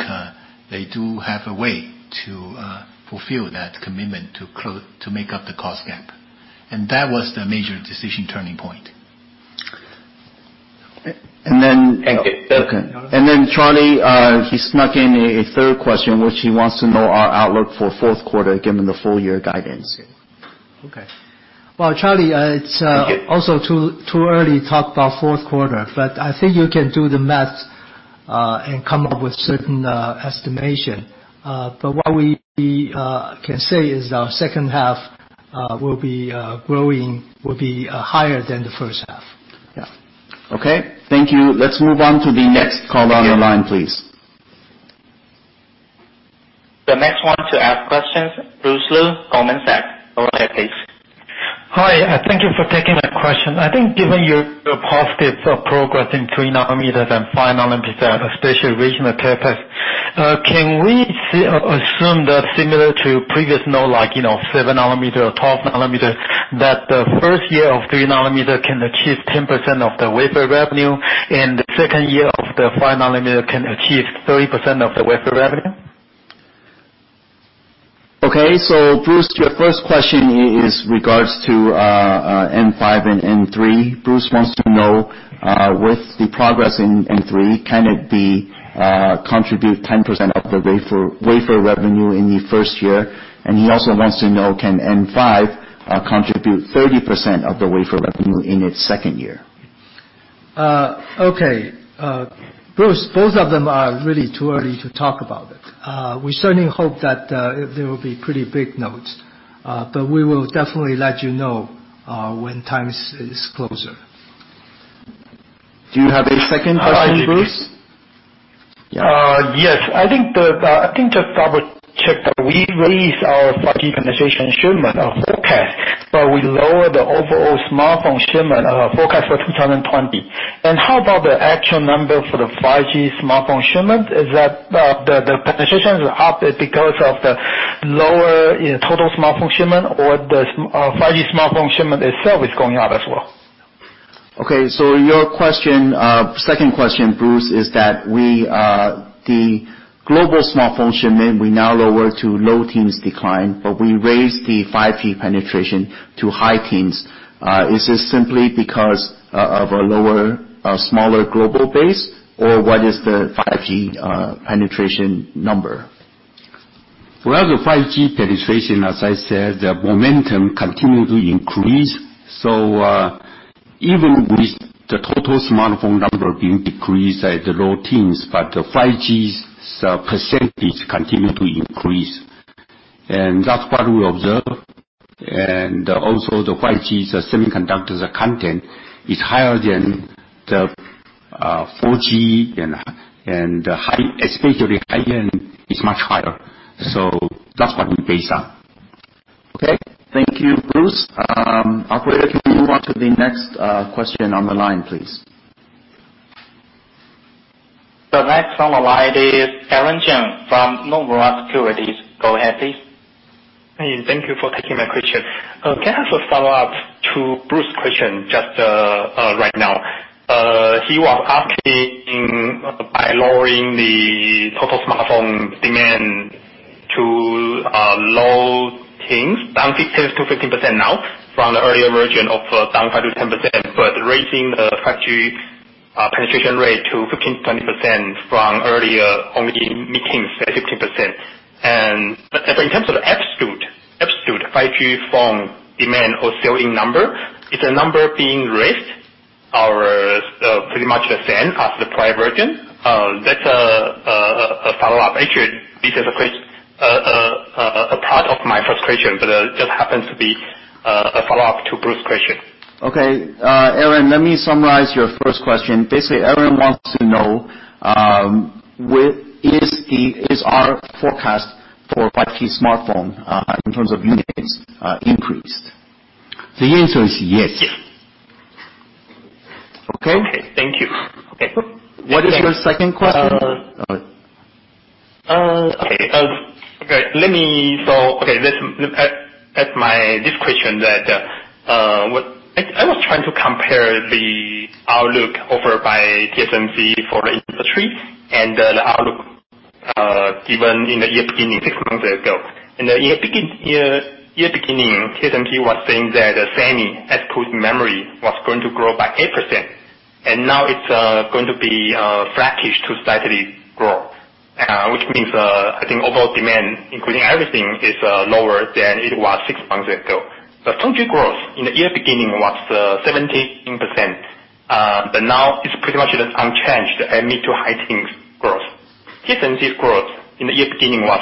they do have a way to fulfill that commitment to make up the cost gap. That was the major decision turning point. Then, Charlie, he snuck in a third question, which he wants to know our outlook for fourth quarter, given the full year guidance. Okay. Well, Charlie, it's also too early to talk about fourth quarter. I think you can do the math, and come up with certain estimation. What we can say is our second half will be higher than the first half. Yeah. Okay. Thank you. Let's move on to the next caller on the line, please. The next one to ask questions, Bruce Lu, Goldman Sachs. Go ahead, please. Hi. Thank you for taking the question. I think given your positive progress in 3 nm and 5 nm, especially regional capacity, can we assume that similar to previous node, like 7nm or 12 nm, that the first year of 3 nm can achieve 10% of the wafer revenue, and the second year of the 5 nm can achieve 30% of the wafer revenue? Okay. Bruce, your first question is regards to N5 and N3. Bruce wants to know, with the progress in N3, can it contribute 10% of the wafer revenue in the first year? He also wants to know, can N5 contribute 30% of the wafer revenue in its second year? Okay. Bruce, both of them are really too early to talk about it. We certainly hope that they will be pretty big nodes. We will definitely let you know when time is closer. Do you have a second question, Bruce? Yes. I think just double check that we raised our 5G penetration shipment forecast, but we lowered the overall smartphone shipment forecast for 2020. How about the actual number for the 5G smartphone shipment? Is that the penetrations are up because of the lower total smartphone shipment, or the 5G smartphone shipment itself is going up as well? Okay. Your second question, Bruce, is that the global smartphone shipment, we now lowered to low teens decline, but we raised the 5G penetration to high teens. Is this simply because of a smaller global base, or what is the 5G penetration number? The 5G penetration, as I said, the momentum continued to increase. Even with the total smartphone number being decreased at the low teens, but the 5G's percentage continued to increase. That's what we observe. Also, the 5G's semiconductors content is higher than the 4G, and especially high-end, is much higher. That's what we base on. Okay. Thank you, Bruce. Operator, can we move on to the next question on the line, please? The next on the line is Aaron Jeng from Nomura Securities. Go ahead, please. Hey, thank you for taking my question. Can I have a follow-up to Bruce's question just right now? He was asking by lowering the total smartphone demand to low teens, down 16%-15% now, from the earlier version of down 5%-10%, raising the 5G penetration rate to 15%-20% from earlier, only mid-teens at 16%. In terms of absolute 5G phone demand or selling number, is the number being raised or pretty much the same as the prior version? That's a follow-up. Actually, this is a part of my first question, but it just happens to be a follow-up to Bruce's question. Okay. Aaron, let me summarize your first question. Basically, Aaron wants to know, is our forecast for 5G smartphone, in terms of units, increased? The answer is yes. Okay? Okay. Thank you. Okay. What is your second question? This question that I was trying to compare the outlook offered by TSMC for the industry and the outlook given in the year beginning six months ago. In the year beginning, TSMC was saying that the semi ex-memory was going to grow by 8%. Now it's going to be flattish to slightly grow. Which means, I think overall demand, including everything, is lower than it was six months ago. The foundry growth in the year beginning was 17%, now it's pretty much unchanged and mid to high teens growth. TSMC's growth in the year beginning was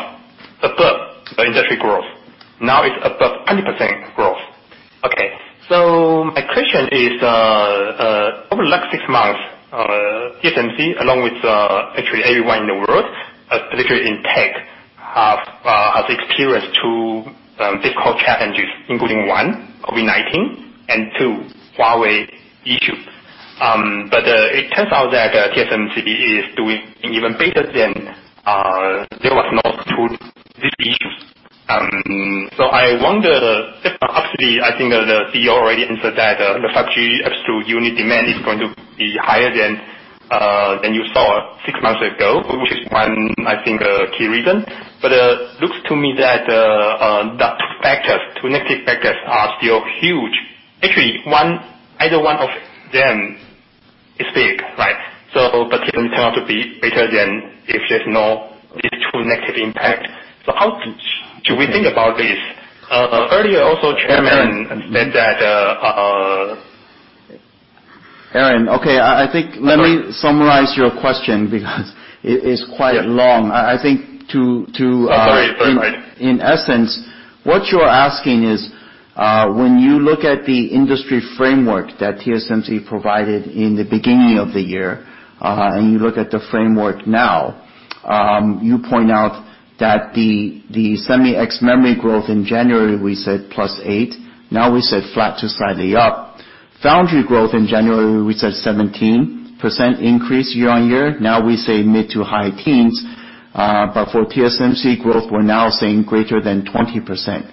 above the industry growth. Now it's above 20% growth. My question is, over the last six months, TSMC, along with actually everyone in the world, especially in tech, have experienced two difficult challenges, including one, COVID-19, and two, Huawei issue. It turns out that TSMC is doing even better than there was no these issues. I wonder, perhaps, I think the CEO already answered that, the 5G absolute unit demand is going to be higher than you saw six months ago, which is one, I think, a key reason. Looks to me that those factors, two negative factors are still huge. Actually, either one of them is big. TSMC turned out to be better than if there's no these two negative impact. How should we think about this? Earlier also, Chairman said that- Aaron, okay. Let me summarize your question because it is quite long. Sorry. In essence, what you're asking is. When you look at the industry framework that TSMC provided in the beginning of the year, and you look at the framework now, you point out that the semi ex-memory growth in January, we said plus eight, now we said flat to slightly up. Foundry growth in January, we said 17% increase year-over-year, now we say mid to high teens. For TSMC growth, we're now saying greater than 20%.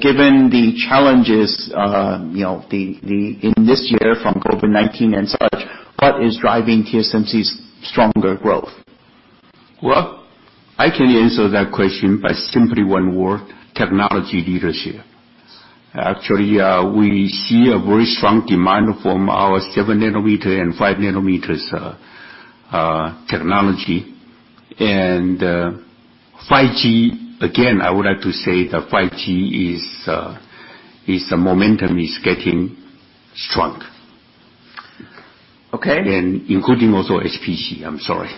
Given the challenges in this year from COVID-19 and such, what is driving TSMC's stronger growth? Well, I can answer that question by simply one word, technology leadership. Actually, we see a very strong demand from our seven nanometer and five nanometers technology. 5G, again, I would like to say that 5G, its momentum is getting strong. Okay. Including also HPC. I'm sorry.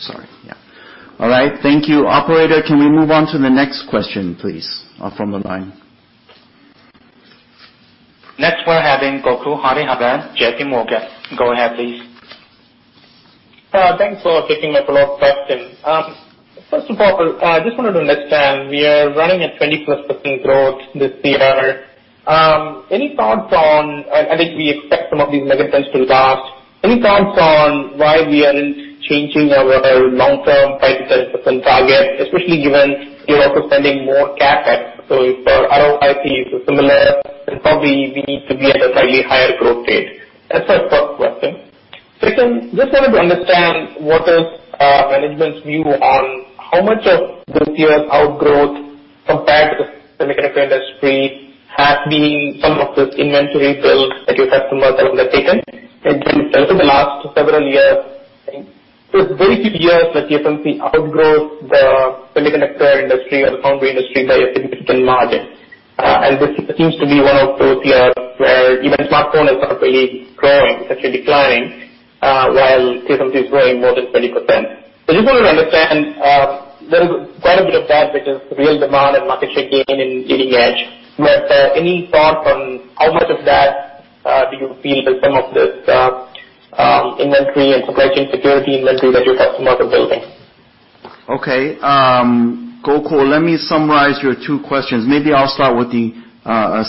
Sorry. All right. Thank you. Operator, can we move on to the next question, please, from the line? Next, we're having Gokul Hariharan, JPMorgan. Go ahead, please. Thanks for taking my follow-up question. First of all, I just wanted to understand, we are running at 20+% growth this year. I think we expect some of these mega trends to last. Any thoughts on why we aren't changing our long-term 5%-10% target, especially given you're also spending more CapEx? If our ROC is similar, then probably we need to be at a slightly higher growth rate. That's my first question. Second, just wanted to understand what is management's view on how much of this year's outgrowth compared to the semiconductor industry has been some of this inventory build that your customers have undertaken over the last several years? It's very few years that TSMC outgrows the semiconductor industry or the foundry industry by a significant margin. This seems to be one of those years where even smartphone is not really growing, it's actually declining, while TSMC is growing more than 20%. Just wanted to understand, there is quite a bit of that which is real demand and market share gain in leading edge. Any thought on how much of that do you feel is some of this inventory and supply chain security inventory that your customers are building? Okay. Goku, let me summarize your two questions. Maybe I'll start with the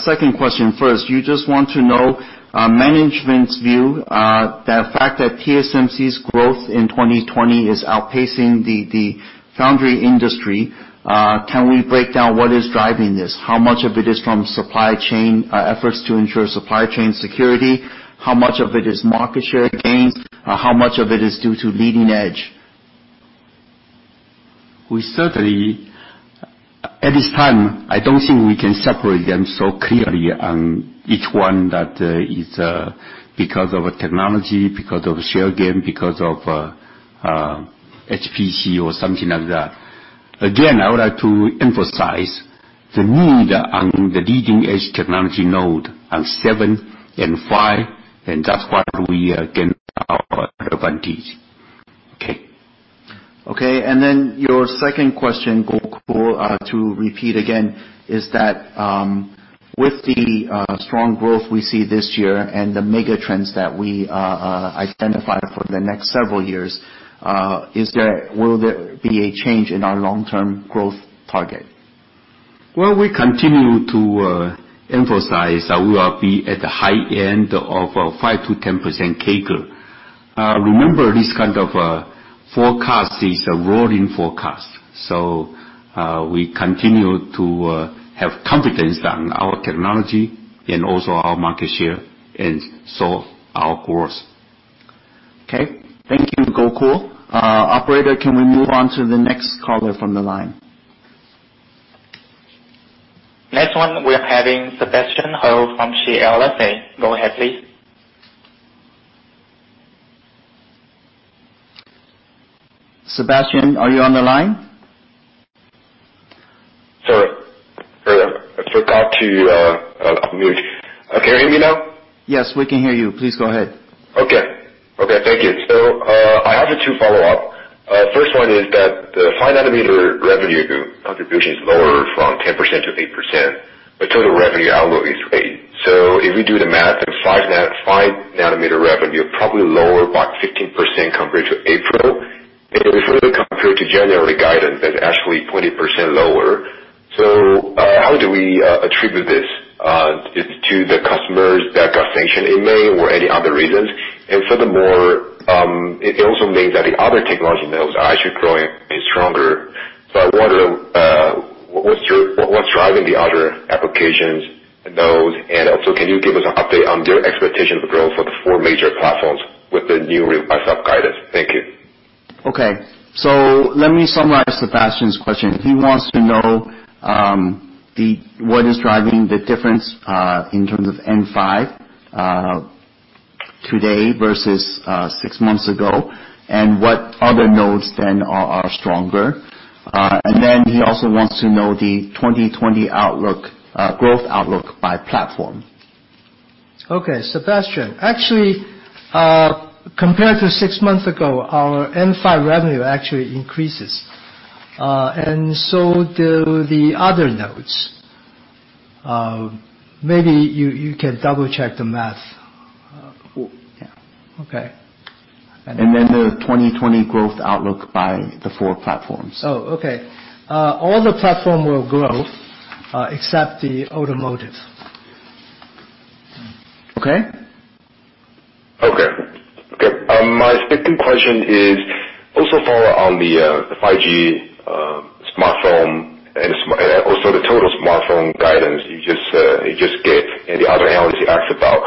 second question first. You just want to know management's view, the fact that TSMC's growth in 2020 is outpacing the foundry industry, can we break down what is driving this? How much of it is from supply chain efforts to ensure supply chain security? How much of it is market share gains? How much of it is due to leading edge? At this time, I don't think we can separate them so clearly on each one that is because of technology, because of share gain, because of HPC or something like that. Again, I would like to emphasize the need on the leading edge technology node on seven and five, and that's where we gain our advantage. Okay. Okay. Your second question, Goku, to repeat again, is that with the strong growth we see this year and the mega trends that we identified for the next several years, will there be a change in our long-term growth target? Well, we continue to emphasize that we will be at the high end of a 5%-10% CAGR. Remember, this kind of forecast is a rolling forecast. We continue to have confidence on our technology and also our market share, and so our growth. Okay. Thank you, Gokul. Operator, can we move on to the next caller from the line? Next one, we're having Sebastian Hou from CLSA. Go ahead, please. Sebastian, are you on the line? Sorry. I forgot to unmute. Can you hear me now? Yes, we can hear you. Please go ahead. Okay. Thank you. I have two follow-up. First one is that the 5 nm revenue contribution is lower from 10% to 8%, but total revenue outlook is 8%. If we do the math, 5 nm revenue, probably lower about 15% compared to April. If we compare to January guidance, that's actually 20% lower. How do we attribute this? Is it to the customers that got sanctioned in May or any other reasons? Furthermore, it also means that the other technology nodes are actually growing stronger. I wonder, what's driving the other applications nodes? Also, can you give us an update on your expectation of growth for the four major platforms with the new revised up guidance? Thank you. Okay. Let me summarize Sebastian's question. He wants to know what is driving the difference in terms of N5 today versus six months ago, and what other nodes then are stronger. He also wants to know the 2020 growth outlook by platform. Okay, Sebastian. Actually, compared to six months ago, our N5 revenue actually increases, and so do the other nodes. Maybe you can double-check the math. Yeah. The 2020 growth outlook by the four platforms. Oh, okay. All the platform will grow except the automotive. Okay? Okay. My second question is also follow on the 5G smartphone, and also the total smartphone guidance you just gave, and the other analysis you asked about.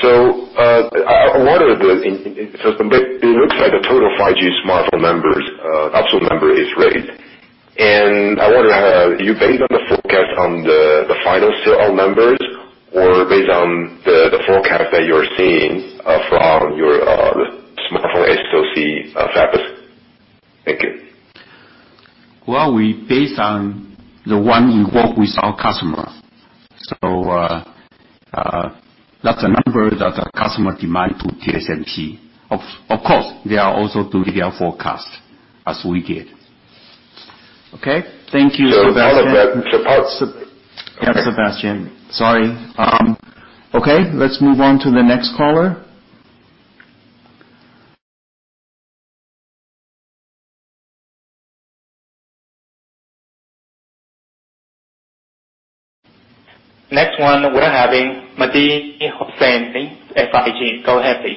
It looks like the total 5G smartphone absolute number is right. I wonder, are you based on the forecast on the final sellout numbers or based on the forecast that you're seeing from your smartphone SoC fabless? Thank you. Well, we based on the one involved with our customer. That's a number that our customer demand to TSMC. Of course, they are also doing their forecast as we did. Okay. Thank you, Sebastian. all of that supports. Yeah, Sebastian. Sorry. Okay, let's move on to the next caller. Next one, we're having Mehdi Hosseini in SIG. Go ahead, please.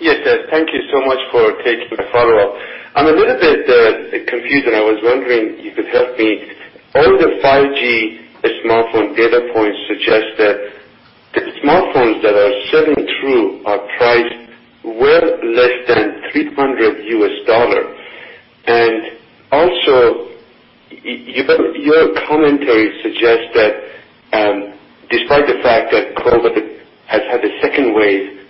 Yes, thank you so much for taking my follow-up. I'm a little bit confused, and I was wondering if you could help me. All the 5G smartphone data points suggest that the smartphones that are selling through are priced well less than $300. Also, your commentary suggests that despite the fact that COVID has had a second wave,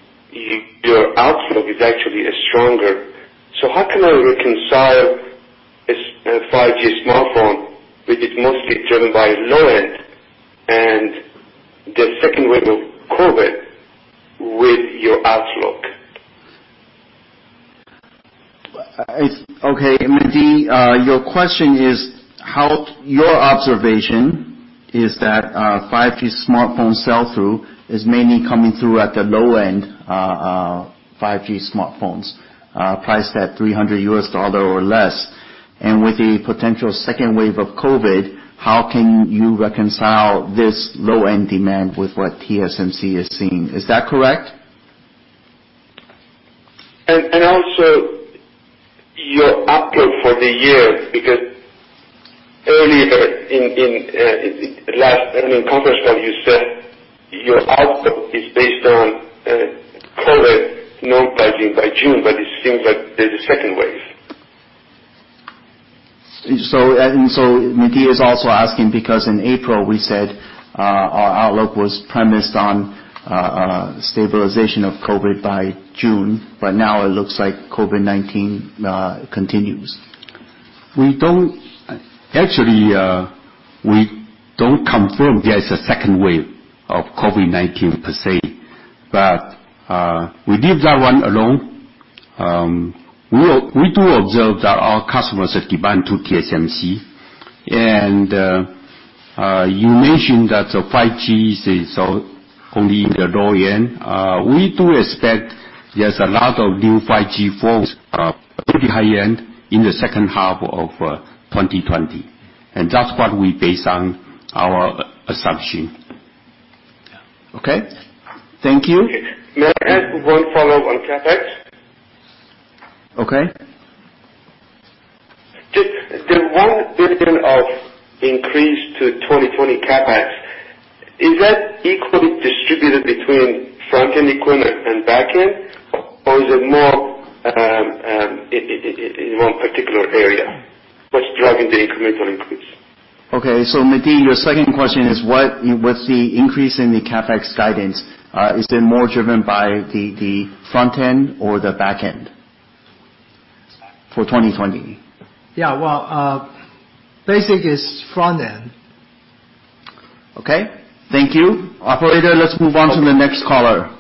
your outlook is actually stronger. How can I reconcile a 5G smartphone, which is mostly driven by low-end, and the second wave of COVID with your outlook? Okay. Mehdi, your question is, your observation is that 5G smartphone sell-through is mainly coming through at the low-end 5G smartphones, priced at $300 or less. With a potential second wave of COVID, how can you reconcile this low-end demand with what TSMC is seeing? Is that correct? Also your outlook for the year, because earlier in last earnings conference call, you said your outlook is based on COVID-19 normalizing by June, but it seems like there's a second wave. Mehdi is also asking because in April we said our outlook was premised on stabilization of COVID-19 by June, but now it looks like COVID-19 continues. Actually, we don't confirm there's a second wave of COVID-19 per se. We leave that one alone. We do observe that our customers have demand to TSMC. You mentioned that 5G is only in the low end. We do expect there's a lot of new 5G phones, pretty high end, in the second half of 2020. That's what we based on our assumption. Okay. Thank you. May I ask one follow on CapEx? Okay. Just the $1 billion of increase to 2020 CapEx, is that equally distributed between front-end equipment and back end? Is it more in one particular area? What's driving the incremental increase? Okay. Mehdi, your second question is, with the increase in the CapEx guidance, is it more driven by the front end or the back end for 2020? Well, basic is front end. Okay. Thank you. Operator, let's move on to the next caller.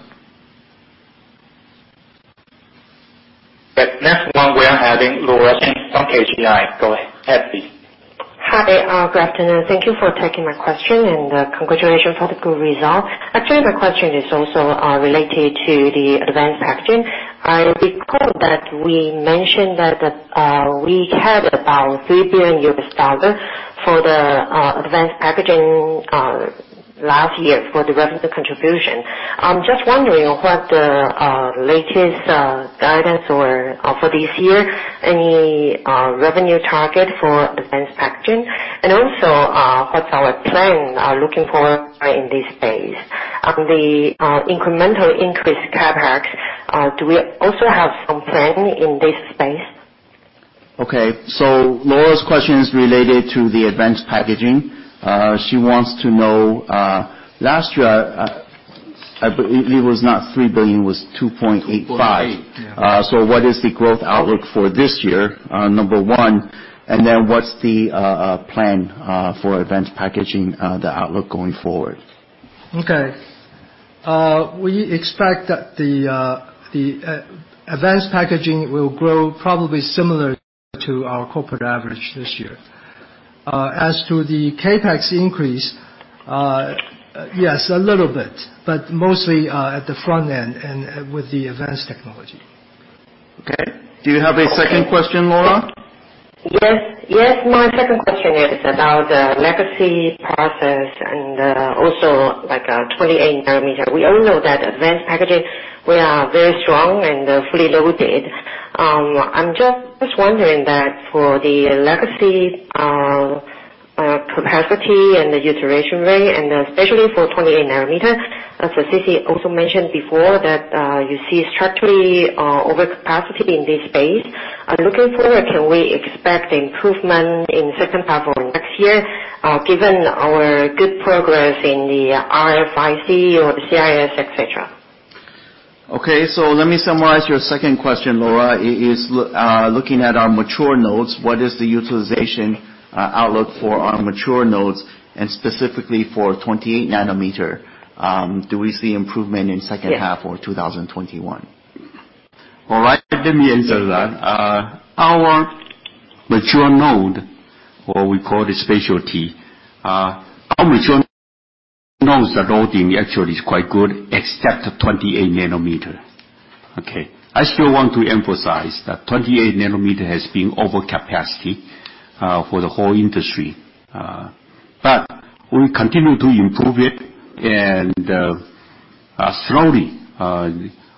The next one we are having Laura Chen from KGI. Go ahead. Hi. Good afternoon. Thank you for taking my question. Congratulations on the good result. Actually, my question is also related to the advanced packaging. I recall that we mentioned that we had about $3 billion for the advanced packaging last year for the revenue contribution. I'm just wondering what the latest guidance for this year, any revenue target for advanced packaging? Also what's our plan looking forward in this space? On the incremental increase CapEx, do we also have some plan in this space? Okay. Laura's question is related to the advanced packaging. She wants to know, last year, I believe it was not $3 billion, it was $2.85 billion. $2.85 billion, yeah. What is the growth outlook for this year, number one, and then what's the plan for advanced packaging, the outlook going forward? Okay. We expect that the advanced packaging will grow probably similar to our corporate average this year. As to the CapEx increase, yes, a little bit, but mostly at the front end and with the advanced technology. Okay. Do you have a second question, Laura? Yes. My second question is about the legacy process and also 28 nm. We all know that advanced packaging, we are very strong and fully loaded. I am just wondering that for the legacy capacity and the utilization rate, and especially for 28 nanometers, as C.C. also mentioned before, that you see structurally over capacity in this space. Looking forward, can we expect improvement in second half or next year, given our good progress in the RFIC or the CIS, et cetera? Okay. Let me summarize your second question, Laura, is looking at our mature nodes, what is the utilization outlook for our mature nodes, and specifically for 28 nm? Do we see improvement in second half or 2021? All right. Let me answer that. Our mature node, or we call it specialty, our mature nodes loading actually is quite good except 28 nm. Okay. I still want to emphasize that 28 nm has been over capacity for the whole industry. We continue to improve it, and slowly.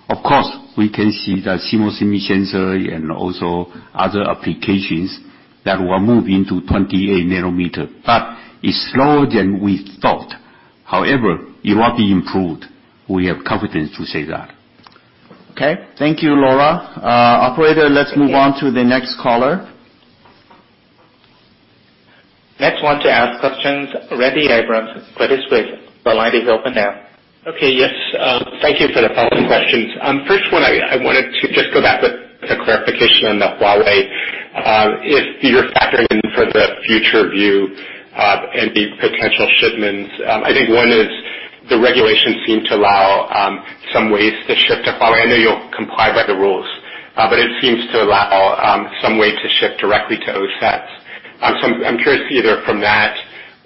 Of course, we can see the CMOS image sensor and also other applications that will move into 28 nm, but it's slower than we thought. However, it will be improved. We have confidence to say that. Okay. Thank you, Laura. Operator, let's move on to the next caller. Next one to ask questions, Randy Abrams with Credit Suisse. The line is open now. Okay, yes. Thank you for the follow-up questions. First one, I wanted to just go back with a clarification on the Huawei. If you're factoring in for the future view, and the potential shipments. I think one is the regulations seem to allow some ways to ship to Huawei. I know you'll comply by the rules. It seems to allow some way to ship directly to OSAT. I'm curious either from that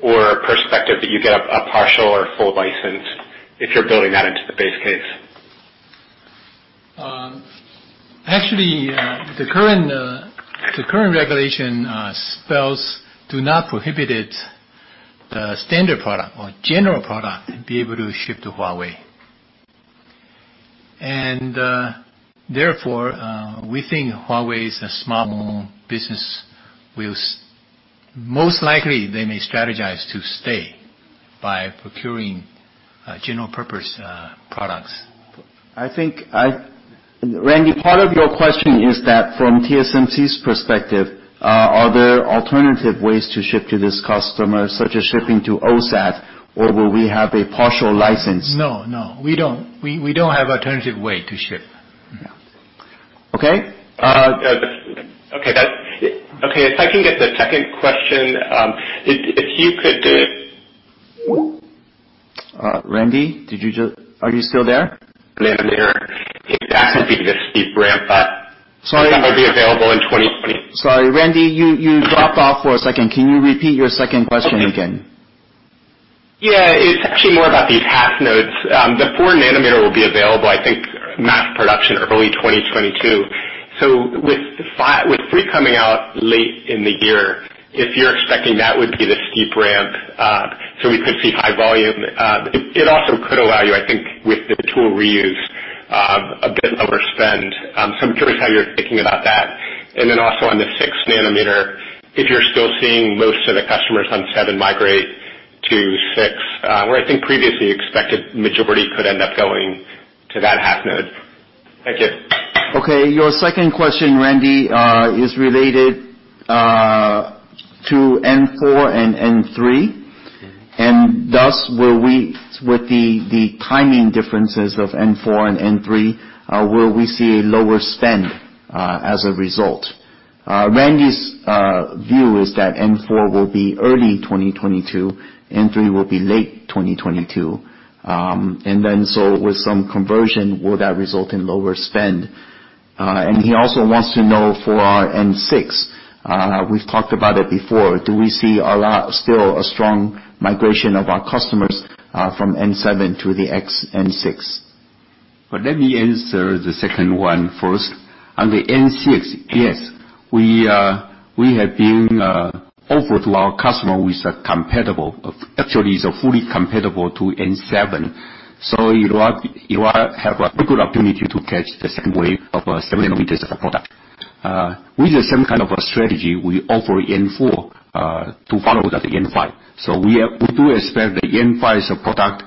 or perspective that you get a partial or full license if you're building that into the base case. Actually, the current regulation spells do not prohibit the standard product or general product to be able to ship to Huawei. Therefore, we think Huawei's a smart business, most likely they may strategize to stay by procuring general purpose products. Randy, part of your question is that from TSMC's perspective, are there alternative ways to ship to this customer, such as shipping to OSAT, or will we have a partial license? No. We don't have alternative way to ship. No. Okay. Okay. If I can get the second question. Randy, are you still there? Yeah, I'm here. Sorry. That would be available in 2022. Sorry, Randy, you dropped off for a second. Can you repeat your second question again? Yeah. It is actually more about these half nodes. The 4 nanometer will be available, mass production early 2022. With 3 coming out late in the year, if you are expecting that would be the steep ramp, so we could see high volume. It also could allow you, with the tool reuse, a bit lower spend. I am curious how you are thinking about that. Also on the 6 nanometer, if you are still seeing most of the customers on 7 migrate to 6, where previously expected majority could end up going to that half node. Thank you. Okay. Your second question, Randy, is related to N4 and N3, and thus with the timing differences of N4 and N3, will we see a lower spend as a result? Randy's view is that N4 will be early 2022, N3 will be late 2022. With some conversion, will that result in lower spend? He also wants to know for our N6, we've talked about it before. Do we see still a strong migration of our customers from N7 to the N6? Let me answer the second one first. On the N6, yes. We have been offered to our customer with a compatible, actually is a fully compatible to N7. You have a pretty good opportunity to catch the second wave of seven nanometers of product. With the same kind of a strategy we offer N4, to follow that N5. We do expect the N5's product,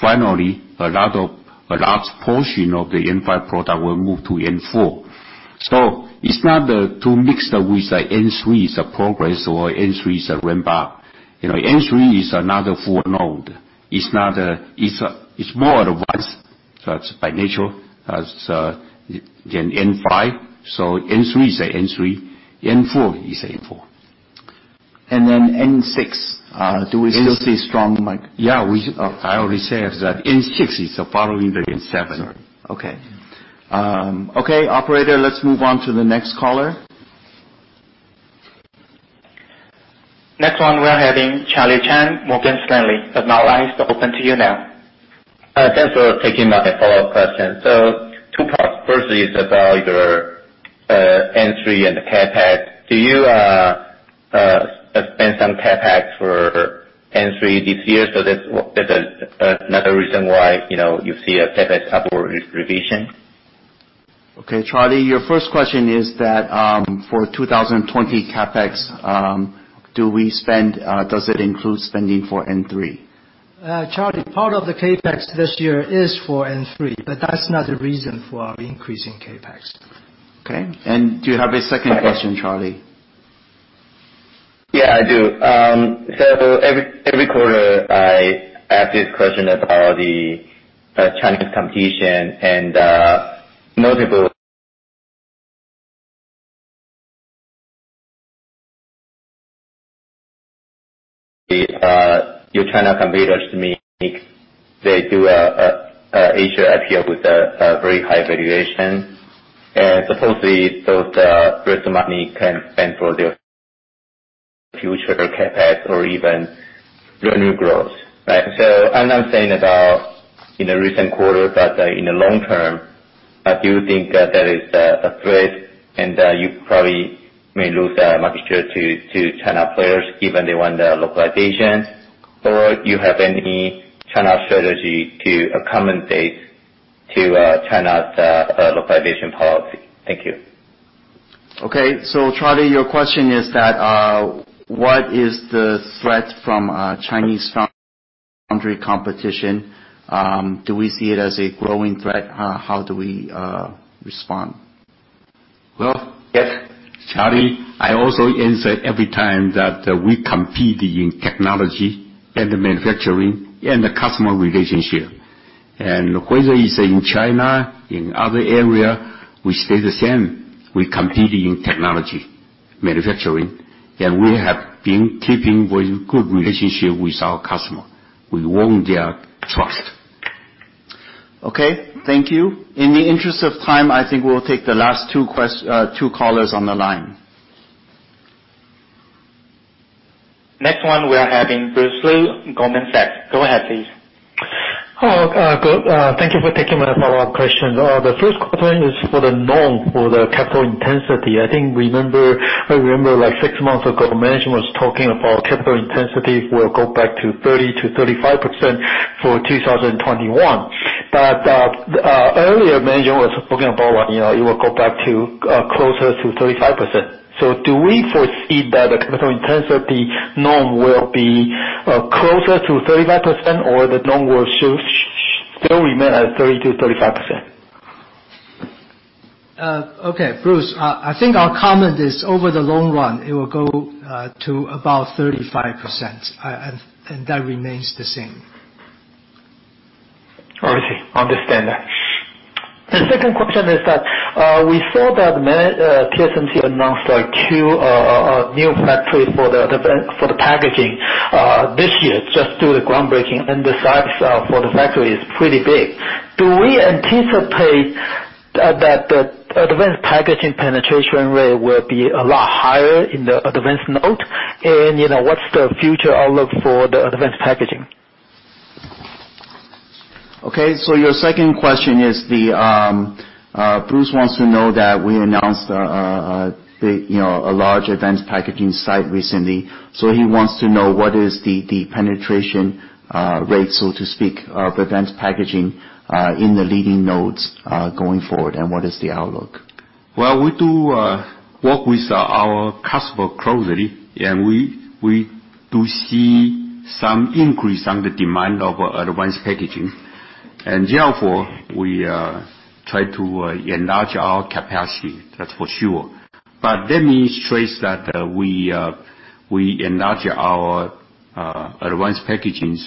finally, a large portion of the N5 product will move to N4. It's not the two mixed with the N3's progress or N3's ramp-up. N3 is another full node. It's more advanced, so it's by nature than N5. N3 is an N3. N4 is an N4. N6, do we still see strong demand? Yeah. I already said that N6 is following the N7. Sorry. Okay. Okay, operator, let's move on to the next caller. Next one we're having Charlie Chan, Morgan Stanley. The line is open to you now. Thanks for taking my follow-up question. Two parts. Firstly is about your N3 and the CapEx. Do you spend some CapEx for N3 this year, so that's another reason why you see a CapEx upward revision? Okay, Charlie, your first question is that for 2020 CapEx, do we spend, does it include spending for N3? Charlie, part of the CapEx this year is for N3, but that's not the reason for our increase in CapEx. Okay. Do you have a second question, Charlie? Yeah. I do. Every quarter, I ask this question about the Chinese competition and multiple Your China competitors today, they do A-share IPO with a very high valuation. Supposedly, the raise the money can spend for their future CapEx or even revenue growth, right? I'm not saying about in the recent quarter, but in the long term, do you think that is a threat and you probably may lose a market share to China players given they want the localization? Do you have any China strategy to accommodate to China's localization policy? Thank you. Okay. Charlie, your question is that what is the threat from Chinese foundry competition? Do we see it as a growing threat? How do we respond? Well, yes, Charlie, I also answer every time that we compete in technology and the manufacturing and the customer relationship. Whether it's in China, in other area, we stay the same. We compete in technology, manufacturing, and we have been keeping very good relationship with our customer. We won their trust. Okay. Thank you. In the interest of time, I think we'll take the last two callers on the line. Next one we're having Bruce Lu, Goldman Sachs. Go ahead, please. Oh, good. Thank you for taking my follow-up question. The first question is for the norm for the capital intensity. I think I remember, like six months ago, management was talking about capital intensity will go back to 30%-35% for 2021. Earlier, management was talking about it will go back to closer to 35%. Do we foresee that the capital intensity norm will be closer to 35% or the norm will still remain at 30%-35%? Okay. Bruce, I think our comment is over the long run, it will go to about 35%. That remains the same. Obviously. Understand that. The second question is that we saw that TSMC announced two new factories for the packaging this year, just do the groundbreaking, and the size for the factory is pretty big. Do we anticipate that the advanced packaging penetration rate will be a lot higher in the advanced node? What's the future outlook for the advanced packaging? Okay, your second question is Bruce wants to know that we announced a large advanced packaging site recently. He wants to know what is the penetration rate, so to speak, of advanced packaging in the leading nodes, going forward, and what is the outlook. We do work with our customer closely, we do see some increase on the demand of advanced packaging. Therefore, we try to enlarge our capacity. That's for sure. Let me stress that we enlarge our advanced packaging's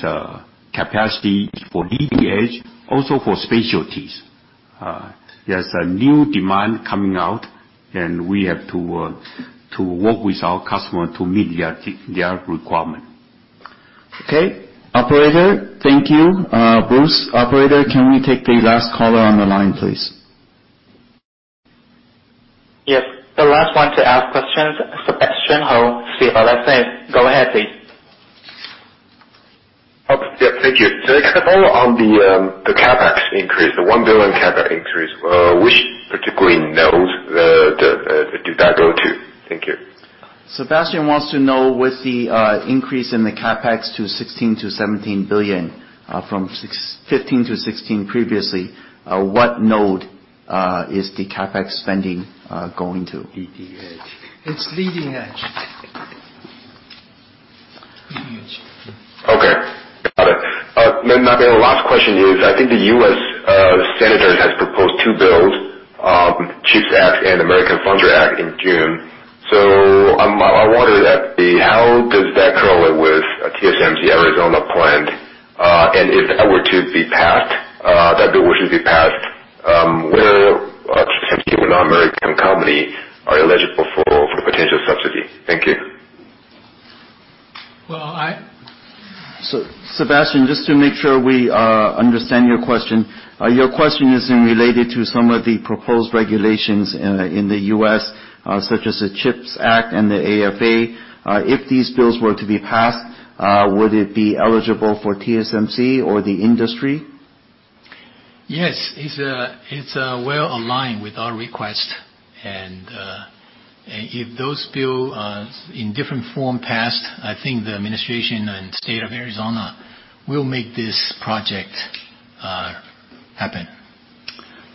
capacity for leading edge, also for specialties. There's a new demand coming out, we have to work with our customer to meet their requirement. Okay. Operator, thank you. Bruce. Operator, can we take the last caller on the line, please? Yes. The last one to ask questions, Sebastian Hou, UBS. Go ahead, please. Yep, thank you. I kind of follow on the CapEx increase, the $1 billion CapEx increase. Which particular nodes did that go to? Thank you. Sebastian wants to know with the increase in the CapEx to $16 billion-$17 billion, from $15 billion-$16 billion previously, what node is the CapEx spending going to? Leading edge. It's leading edge. Leading edge. Okay. Got it. Mark, the last question is, I think the U.S. senator has proposed two bills, CHIPS Act and American Foundries Act in June. I wonder how does that correlate with TSMC Arizona plant? If that bill were to be passed, will TSMC, a non-American company, are eligible for potential subsidy? Thank you. Well. Sebastian, just to make sure we understand your question. Your question is in related to some of the proposed regulations in the U.S., such as the CHIPS Act and the AFA. If these bills were to be passed, would it be eligible for TSMC or the industry? Yes. It's well aligned with our request. If those bills, in different form, passed, I think the administration and State of Arizona will make this project happen.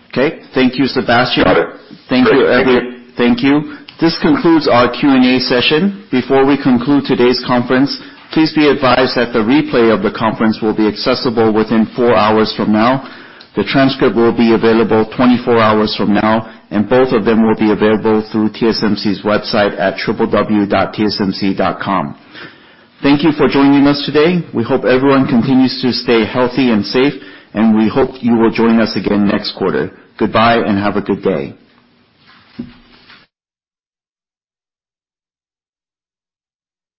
Okay. Thank you, Sebastian. Got it. Thank you, everyone. Thank you. This concludes our Q&A session. Before we conclude today's conference, please be advised that the replay of the conference will be accessible within four hours from now. The transcript will be available 24 hours from now, and both of them will be available through TSMC's website at www.tsmc.com. Thank you for joining us today. We hope everyone continues to stay healthy and safe, and we hope you will join us again next quarter. Goodbye, and have a good day.